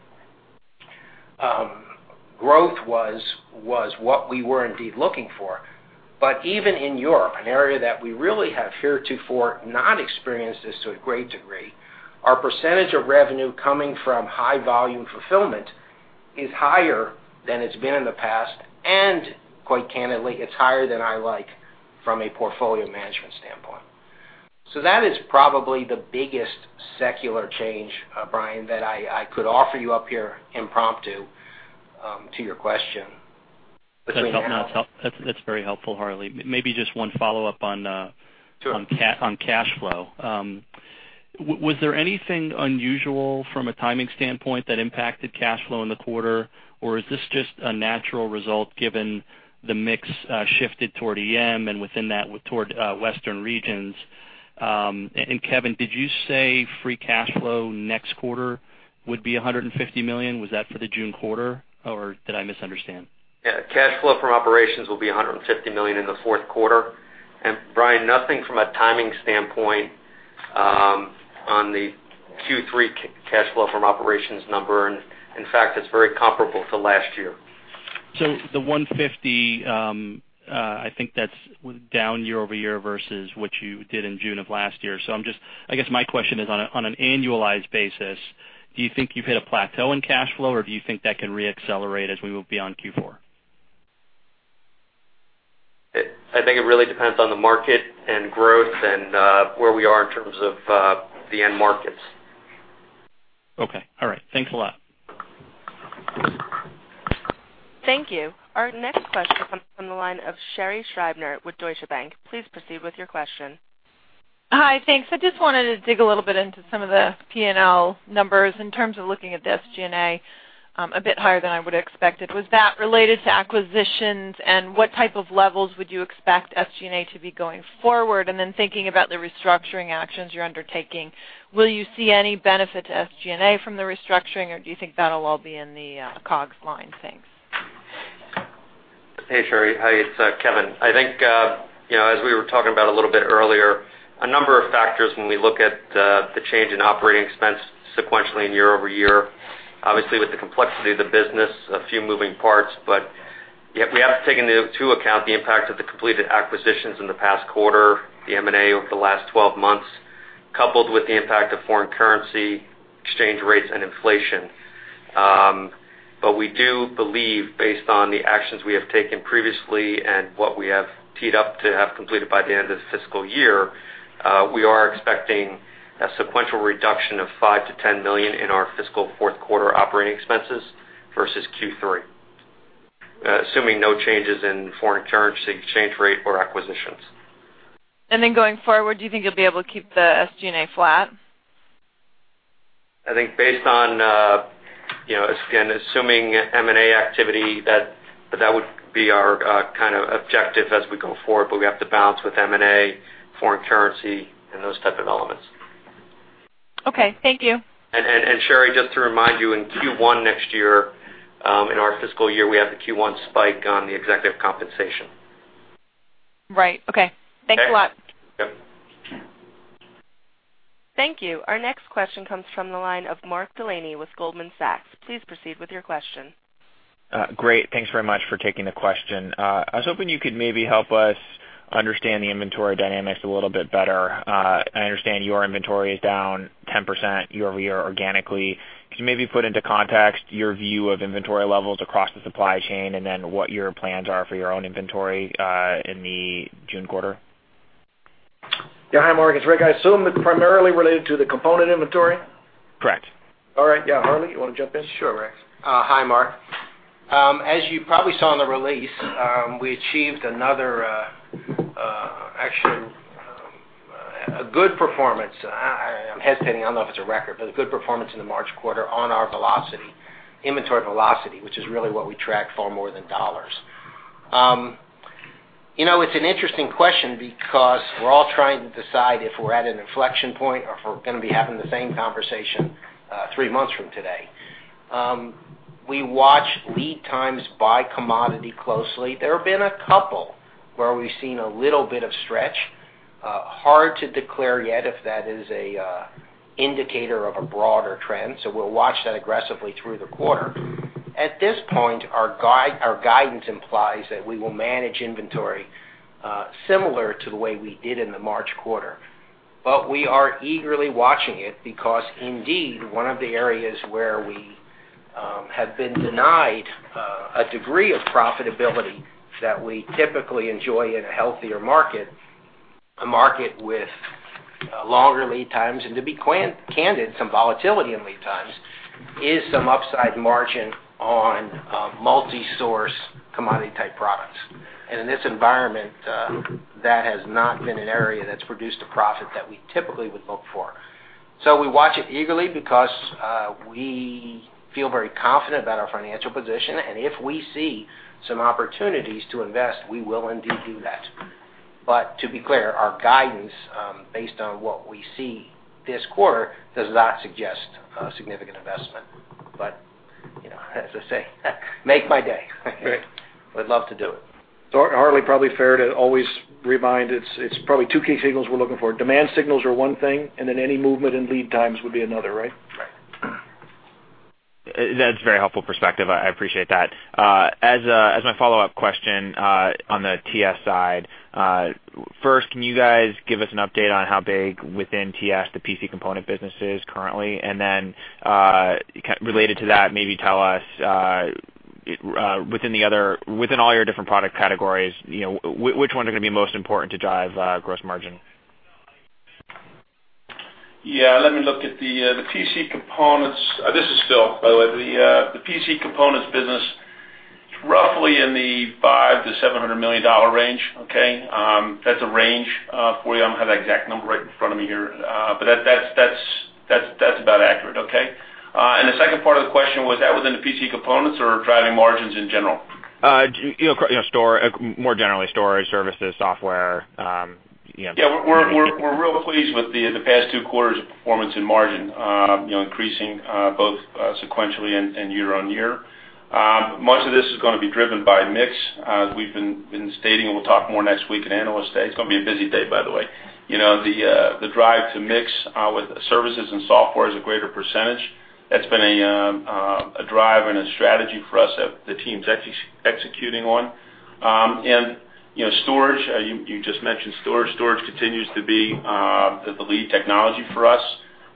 growth was what we were indeed looking for, but even in Europe, an area that we really have heretofore not experienced this to a great degree, our percentage of revenue coming from high-volume fulfillment is higher than it's been in the past. Quite candidly, it's higher than I like from a portfolio management standpoint. So that is probably the biggest secular change, Brian, that I could offer you up here impromptu to your question. That's very helpful, Harley. Maybe just one follow-up on cash flow. Was there anything unusual from a timing standpoint that impacted cash flow in the quarter, or is this just a natural result given the mix shifted toward EM and within that toward Western regions? And Kevin, did you say free cash flow next quarter would be $150 million? Was that for the June quarter, or did I misunderstand? Yeah. Cash flow from operations will be $150 million in the fourth quarter. And Brian, nothing from a timing standpoint on the Q3 cash flow from operations number. And in fact, it's very comparable to last year. So the 150, I think that's down year over year versus what you did in June of last year. So I guess my question is, on an annualized basis, do you think you've hit a plateau in cash flow, or do you think that can re-accelerate as we move beyond Q4? I think it really depends on the market and growth and where we are in terms of the end markets. Okay. All right. Thanks a lot. Thank you. Our next question comes from the line of Sherri Scribner with Deutsche Bank. Please proceed with your question. Hi. Thanks. I just wanted to dig a little bit into some of the P&L numbers in terms of looking at the SG&A a bit higher than I would have expected. Was that related to acquisitions? And what type of levels would you expect SG&A to be going forward? And then thinking about the restructuring actions you're undertaking, will you see any benefit to SG&A from the restructuring, or do you think that'll all be in the COGS line? Thanks. Hey, Sherri. Hi, it's Kevin. I think as we were talking about a little bit earlier, a number of factors when we look at the change in operating expense sequentially year-over-year, obviously with the complexity of the business, a few moving parts. But we have to take into account the impact of the completed acquisitions in the past quarter, the M&A over the last 12 months, coupled with the impact of foreign currency exchange rates, and inflation. But we do believe, based on the actions we have taken previously and what we have teed up to have completed by the end of the fiscal year, we are expecting a sequential reduction of $5 million-$10 million in our fiscal fourth quarter operating expenses versus Q3, assuming no changes in foreign currency exchange rate or acquisitions. And then going forward, do you think you'll be able to keep the SG&A flat? I think based on, again, assuming M&A activity, that would be our kind of objective as we go forward. But we have to balance with M&A, foreign currency, and those type of elements. Okay. Thank you. And Sherri, just to remind you, in Q1 next year, in our fiscal year, we have the Q1 spike on the executive compensation. Right. Okay. Thanks a lot. Thank you. Our next question comes from the line of Mark Delaney with Goldman Sachs. Please proceed with your question. Great. Thanks very much for taking the question. I was hoping you could maybe help us understand the inventory dynamics a little bit better. I understand your inventory is down 10% year-over-year organically. Could you maybe put into context your view of inventory levels across the supply chain and then what your plans are for your own inventory in the June quarter? Yeah. Hi, Mark. It's Rick. I assume it's primarily related to the component inventory? Correct. All right. Yeah. Harley, you want to jump in? Sure, Rick. Hi, Mark. As you probably saw in the release, we achieved another action, a good performance. I'm hesitating. I don't know if it's a record, but a good performance in the March quarter on our velocity, inventory velocity, which is really what we track far more than dollars. It's an interesting question because we're all trying to decide if we're at an inflection point or if we're going to be having the same conversation three months from today. We watch lead times by commodity closely. There have been a couple where we've seen a little bit of stretch. Hard to declare yet if that is an indicator of a broader trend. So we'll watch that aggressively through the quarter. At this point, our guidance implies that we will manage inventory similar to the way we did in the March quarter. But we are eagerly watching it because indeed, one of the areas where we have been denied a degree of profitability that we typically enjoy in a healthier market, a market with longer lead times, and to be candid, some volatility in lead times, is some upside margin on multi-source commodity-type products. And in this environment, that has not been an area that's produced a profit that we typically would look for. So we watch it eagerly because we feel very confident about our financial position. And if we see some opportunities to invest, we will indeed do that. But to be clear, our guidance based on what we see this quarter does not suggest significant investment. But as I say, make my day. We'd love to do it. Harley, probably fair to always remind, it's probably two key signals we're looking for. Demand signals are one thing, and then any movement in lead times would be another, right? Right. That's a very helpful perspective. I appreciate that. As my follow-up question on the TS side, first, can you guys give us an update on how big within TS the PC component business is currently? And then related to that, maybe tell us within all your different product categories, which ones are going to be most important to drive gross margin? Yeah. Let me look at the PC components. This is Phil, by the way. The PC components business is roughly in the $5 million-$700 million range, okay? That's a range for you. I don't have the exact number right in front of me here. But that's about accurate, okay? And the second part of the question, was that within the PC components or driving margins in general? More generally, storage, services, software. Yeah. We're real pleased with the past two quarters of performance and margin increasing both sequentially and year-over-year. Much of this is going to be driven by mix, as we've been stating, and we'll talk more next week in analyst day. It's going to be a busy day, by the way. The drive to mix with services and software is a greater percentage. That's been a drive and a strategy for us that the team's executing on. And storage, you just mentioned storage. Storage continues to be the lead technology for us.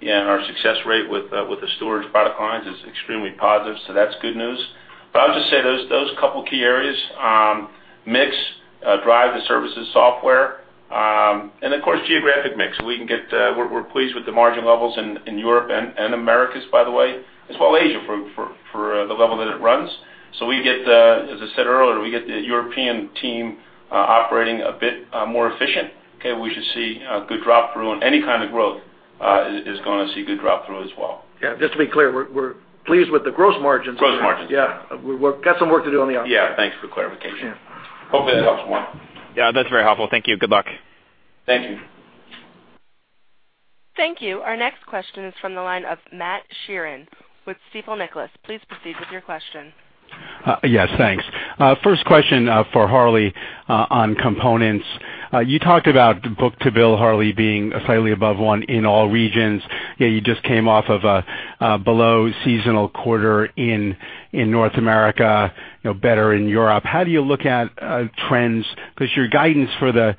And our success rate with the storage product lines is extremely positive. So that's good news. But I'll just say those couple of key areas: mix, drive, the services, software, and of course, geographic mix. We're pleased with the margin levels in Europe and Americas, by the way, as well as Asia for the level that it runs. So as I said earlier, we get the European team operating a bit more efficient. Okay. We should see a good drop-through, and any kind of growth is going to see good drop-through as well. Yeah. Just to be clear, we're pleased with the gross margins. Gross margins. Yeah. We've got some work to do on the outside. Yeah. Thanks for clarification. Hopefully, that helps more. Yeah. That's very helpful. Thank you. Good luck. Thank you. Thank you. Our next question is from the line of Matt Sheerin with Stifel Nicolaus. Please proceed with your question. Yes. Thanks. First question for Harley on components. You talked about book-to-bill, Harley, being slightly above one in all regions. You just came off of a below-seasonal quarter in North America, better in Europe. How do you look at trends? Because your guidance for the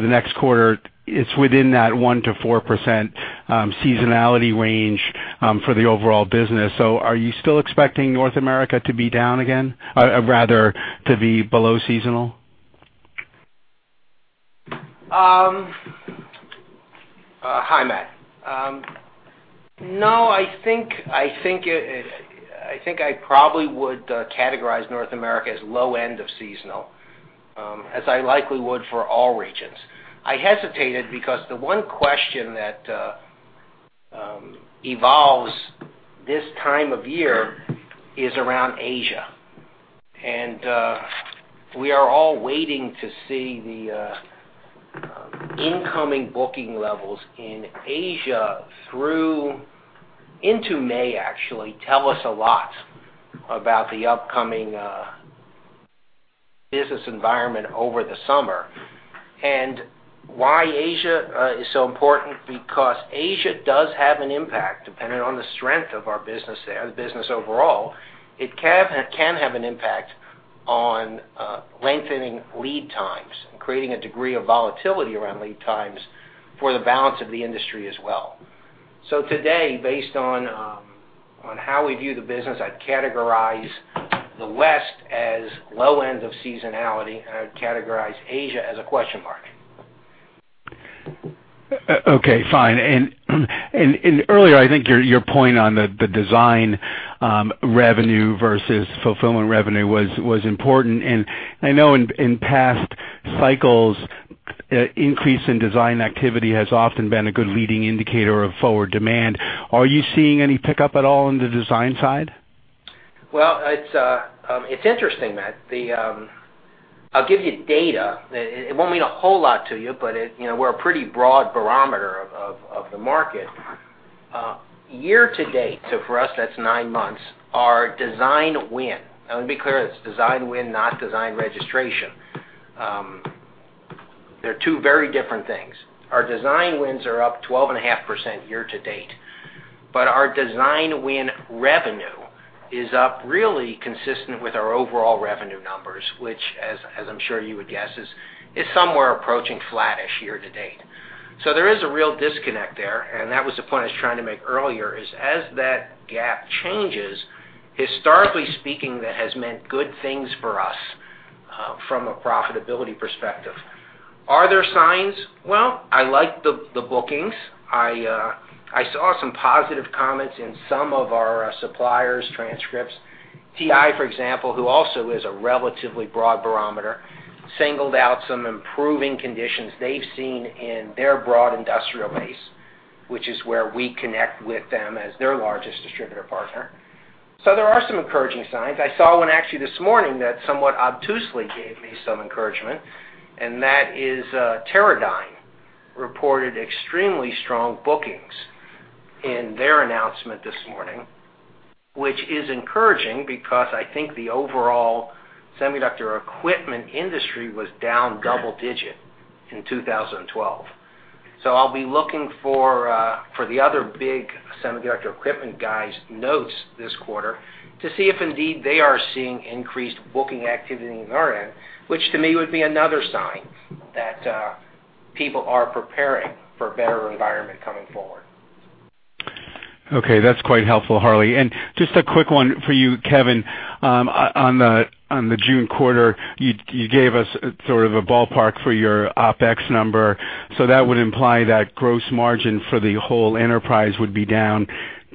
next quarter, it's within that 1%-4% seasonality range for the overall business. So are you still expecting North America to be down again, rather to be below seasonal? Hi, Matt. No. I think I probably would categorize North America as low end of seasonal, as I likely would for all regions. I hesitated because the one question that evolves this time of year is around Asia. And we are all waiting to see the incoming booking levels in Asia through into May, actually, tell us a lot about the upcoming business environment over the summer. And why Asia is so important? Because Asia does have an impact, depending on the strength of our business there, the business overall, it can have an impact on lengthening lead times and creating a degree of volatility around lead times for the balance of the industry as well. So today, based on how we view the business, I'd categorize the West as low end of seasonality, and I'd categorize Asia as a question mark. Okay. Fine. And earlier, I think your point on the design revenue versus fulfillment revenue was important. And I know in past cycles, increase in design activity has often been a good leading indicator of forward demand. Are you seeing any pickup at all on the design side? Well, it's interesting, Matt. I'll give you data. It won't mean a whole lot to you, but we're a pretty broad barometer of the market. Year to date, so for us, that's nine months, our design win, let me be clear, it's design win, not design registration. They're two very different things. Our design wins are up 12.5% year to date. But our design win revenue is up really consistent with our overall revenue numbers, which, as I'm sure you would guess, is somewhere approaching flattish year to date. So there is a real disconnect there. And that was the point I was trying to make earlier, is as that gap changes, historically speaking, that has meant good things for us from a profitability perspective. Are there signs? Well, I like the bookings. I saw some positive comments in some of our suppliers' transcripts. TI, for example, who also is a relatively broad barometer, singled out some improving conditions they've seen in their broad industrial base, which is where we connect with them as their largest distributor partner. So there are some encouraging signs. I saw one actually this morning that somewhat obtusely gave me some encouragement. And that is Teradyne reported extremely strong bookings in their announcement this morning, which is encouraging because I think the overall semiconductor equipment industry was down double-digit in 2012. So I'll be looking for the other big semiconductor equipment guys' notes this quarter to see if indeed they are seeing increased booking activity on our end, which to me would be another sign that people are preparing for a better environment coming forward. Okay. That's quite helpful, Harley. And just a quick one for you, Kevin. On the June quarter, you gave us sort of a ballpark for your OpEx number. So that would imply that gross margin for the whole enterprise would be down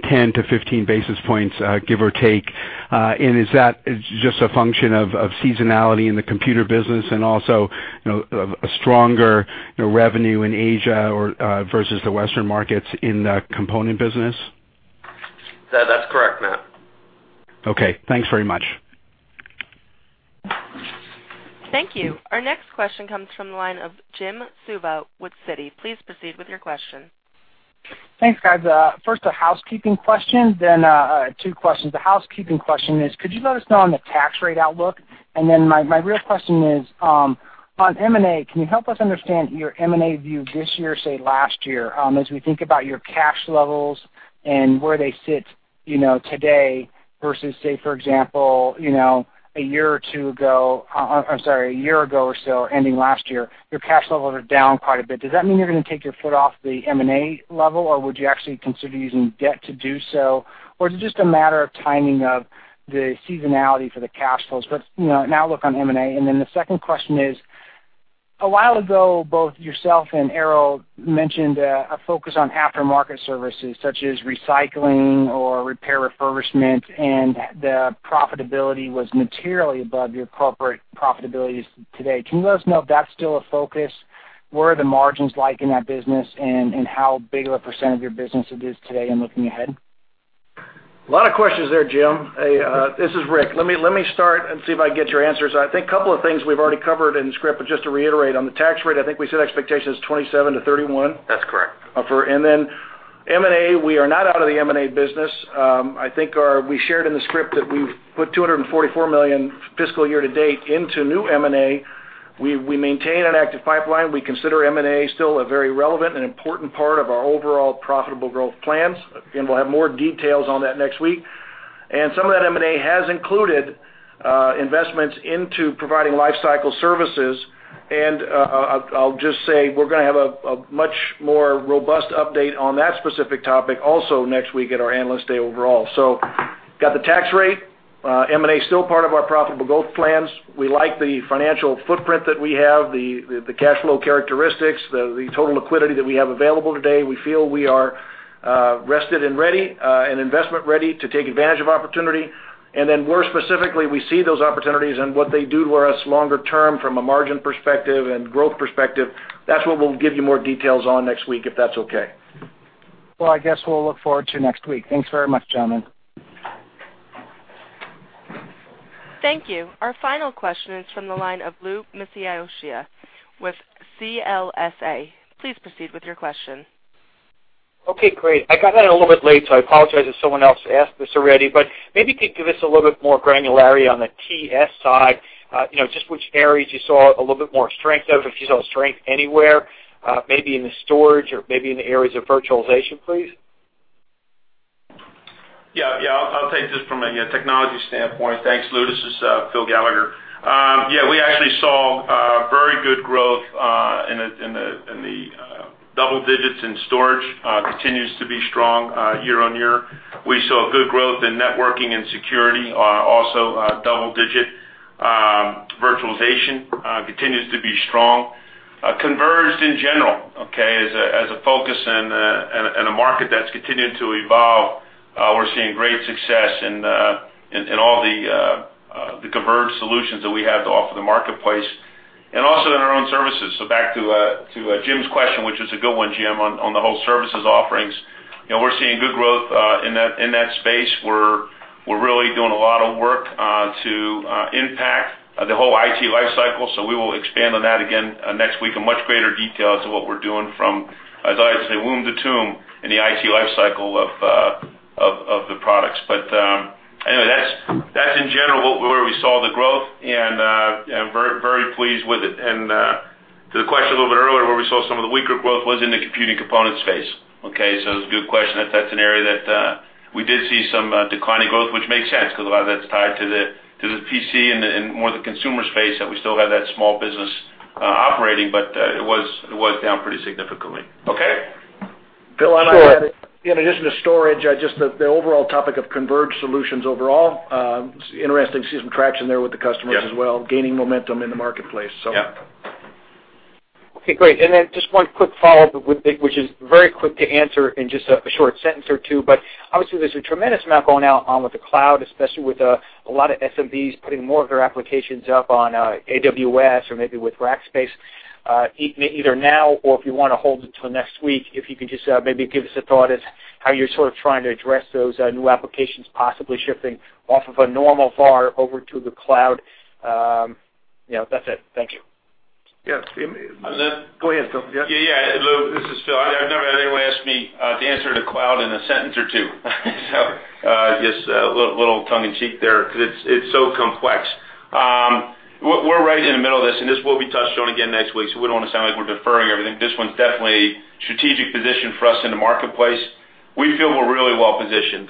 10-15 basis points, give or take. And is that just a function of seasonality in the computer business and also a stronger revenue in Asia versus the Western markets in the component business? That's correct, Matt. Okay. Thanks very much. Thank you. Our next question comes from the line of Jim Suva with Citi. Please proceed with your question. Thanks, guys. First, a housekeeping question, then two questions. The housekeeping question is, could you let us know on the tax rate outlook? And then my real question is, on M&A, can you help us understand your M&A view this year, say last year, as we think about your cash levels and where they sit today versus, say, for example, a year or two ago-I'm sorry, a year ago or so, ending last year-your cash levels are down quite a bit. Does that mean you're going to take your foot off the M&A level, or would you actually consider using debt to do so? Or is it just a matter of timing of the seasonality for the cash flows? But an outlook on M&A. And then the second question is, a while ago, both yourself and Arrow mentioned a focus on aftermarket services such as recycling or repair refurbishment, and the profitability was materially above your corporate profitability today. Can you let us know if that's still a focus? What are the margins like in that business, and how big of a percent of your business it is today and looking ahead? A lot of questions there, Jim. This is Rick. Let me start and see if I can get your answers. I think a couple of things we've already covered in the script, but just to reiterate, on the tax rate, I think we set expectations at 27%-31%. That's correct. And then M&A, we are not out of the M&A business. I think we shared in the script that we've put $244 million fiscal year to date into new M&A. We maintain an active pipeline. We consider M&A still a very relevant and important part of our overall profitable growth plans. And we'll have more details on that next week. And some of that M&A has included investments into providing lifecycle services. I'll just say we're going to have a much more robust update on that specific topic also next week at our Analyst Day overall. So, got the tax rate. M&A is still part of our profitable growth plans. We like the financial footprint that we have, the cash flow characteristics, the total liquidity that we have available today. We feel we are rested and ready, and investment ready to take advantage of opportunity. Then more specifically, we see those opportunities and what they do to us longer term from a margin perspective and growth perspective. That's what we'll give you more details on next week, if that's okay. Well, I guess we'll look forward to next week. Thanks very much, gentlemen. Thank you. Our final question is from the line of Louis Miscioscia with CLSA. Please proceed with your question. Okay. Great. I got in a little bit late, so I apologize if someone else asked this already. But maybe you could give us a little bit more granularity on the TS side, just which areas you saw a little bit more strength of, if you saw strength anywhere, maybe in the storage or maybe in the areas of virtualization, please? Yeah. Yeah. I'll take this from a technology standpoint. Thanks, Louis. This is Phil Gallagher. Yeah. We actually saw very good growth in the double digits in storage. Continues to be strong year-over-year. We saw good growth in networking and security, also double digit. Virtualization continues to be strong. Converged, in general, okay, as a focus and a market that's continuing to evolve, we're seeing great success in all the converged solutions that we have to offer the marketplace. And also in our own services. Back to Jim's question, which was a good one, Jim, on the whole services offerings. We're seeing good growth in that space. We're really doing a lot of work to impact the whole IT lifecycle. We will expand on that again next week in much greater detail as to what we're doing from, as I like to say, womb to tomb in the IT lifecycle of the products. But anyway, that's in general where we saw the growth, and I'm very pleased with it. To the question a little bit earlier, where we saw some of the weaker growth was in the computing component space. Okay. It's a good question. That's an area that we did see some declining growth, which makes sense because a lot of that's tied to the PC and more the consumer space that we still have that small business operating. But it was down pretty significantly. Okay, Phil. On that, in addition to storage, just the overall topic of converged solutions overall. Interesting to see some traction there with the customers as well, gaining momentum in the marketplace. So. Yeah. Okay. Great. And then just one quick follow-up, which is very quick to answer in just a short sentence or two. But obviously, there's a tremendous amount going on with the cloud, especially with a lot of SMBs putting more of their applications up on AWS or maybe with Rackspace, either now or if you want to hold it till next week, if you can just maybe give us a thought as to how you're sort of trying to address those new applications possibly shifting off of a normal VAR over to the cloud. That's it. Thank you. Yeah. Go ahead, Phil. Yeah. Yeah. Hello. This is Phil. I've never had anyone ask me to answer the cloud in a sentence or two. So just a little tongue-in-cheek there because it's so complex. We're right in the middle of this, and this will be touched on again next week. So we don't want to sound like we're deferring everything. This one's definitely a strategic position for us in the marketplace. We feel we're really well positioned.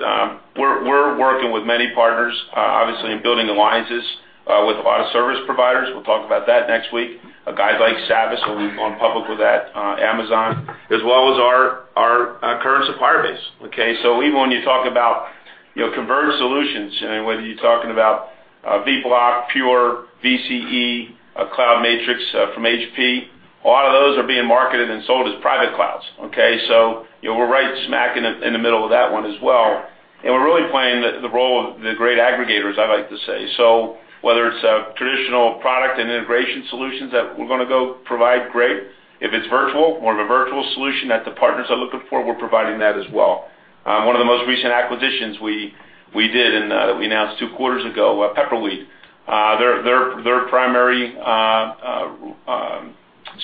We're working with many partners, obviously, in building alliances with a lot of service providers. We'll talk about that next week. Guys like Savvis, we've gone public with that, Amazon, as well as our current supplier base. Okay. So even when you talk about converged solutions, whether you're talking about Vblock, Pure, VCE, Cloud Matrix from HP, a lot of those are being marketed and sold as private clouds. Okay. So we're right smack in the middle of that one as well. And we're really playing the role of the great aggregators, I like to say. So whether it's traditional product and integration solutions that we're going to go provide great, if it's virtual, more of a virtual solution that the partners are looking for, we're providing that as well. One of the most recent acquisitions we did and that we announced two quarters ago, Pepperweed, their primary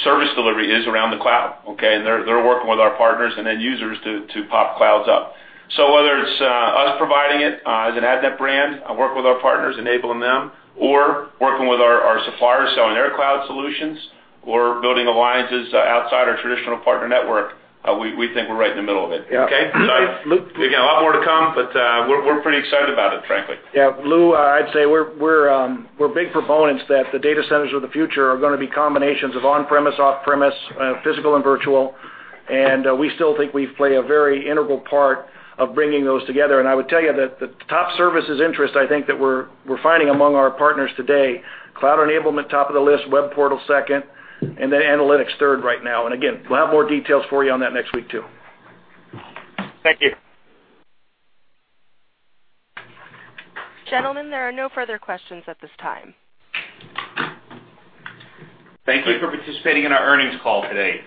service delivery is around the cloud. Okay. And they're working with our partners and end users to pop clouds up. So whether it's us providing it as an Avnet brand, working with our partners, enabling them, or working with our suppliers selling their cloud solutions, or building alliances outside our traditional partner network, we think we're right in the middle of it. Okay. Again, a lot more to come, but we're pretty excited about it, frankly. Yeah. Lou, I'd say we're big proponents that the data centers of the future are going to be combinations of on-premise, off-premise, physical, and virtual. And we still think we play a very integral part of bringing those together. And I would tell you that the top services interest, I think, that we're finding among our partners today, cloud enablement, top of the list, web portal second, and then analytics third right now. And again, we'll have more details for you on that next week too. Thank you. Gentlemen, there are no further questions at this time. Thank you for participating in our earnings call today.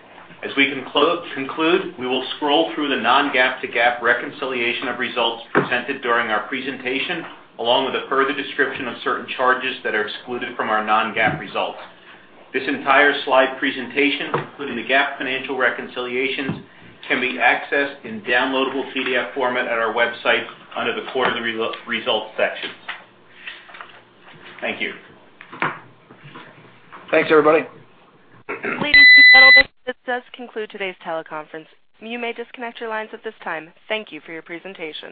As we conclude, we will scroll through the non-GAAP to GAAP reconciliation of results presented during our presentation, along with a further description of certain charges that are excluded from our non-GAAP results. This entire slide presentation, including the GAAP financial reconciliations, can be accessed in downloadable PDF format at our website under the quarterly results section. Thank you. Thanks, everybody. Please be gentle. This does conclude today's teleconference. You may disconnect your lines at this time. Thank you for your presentation.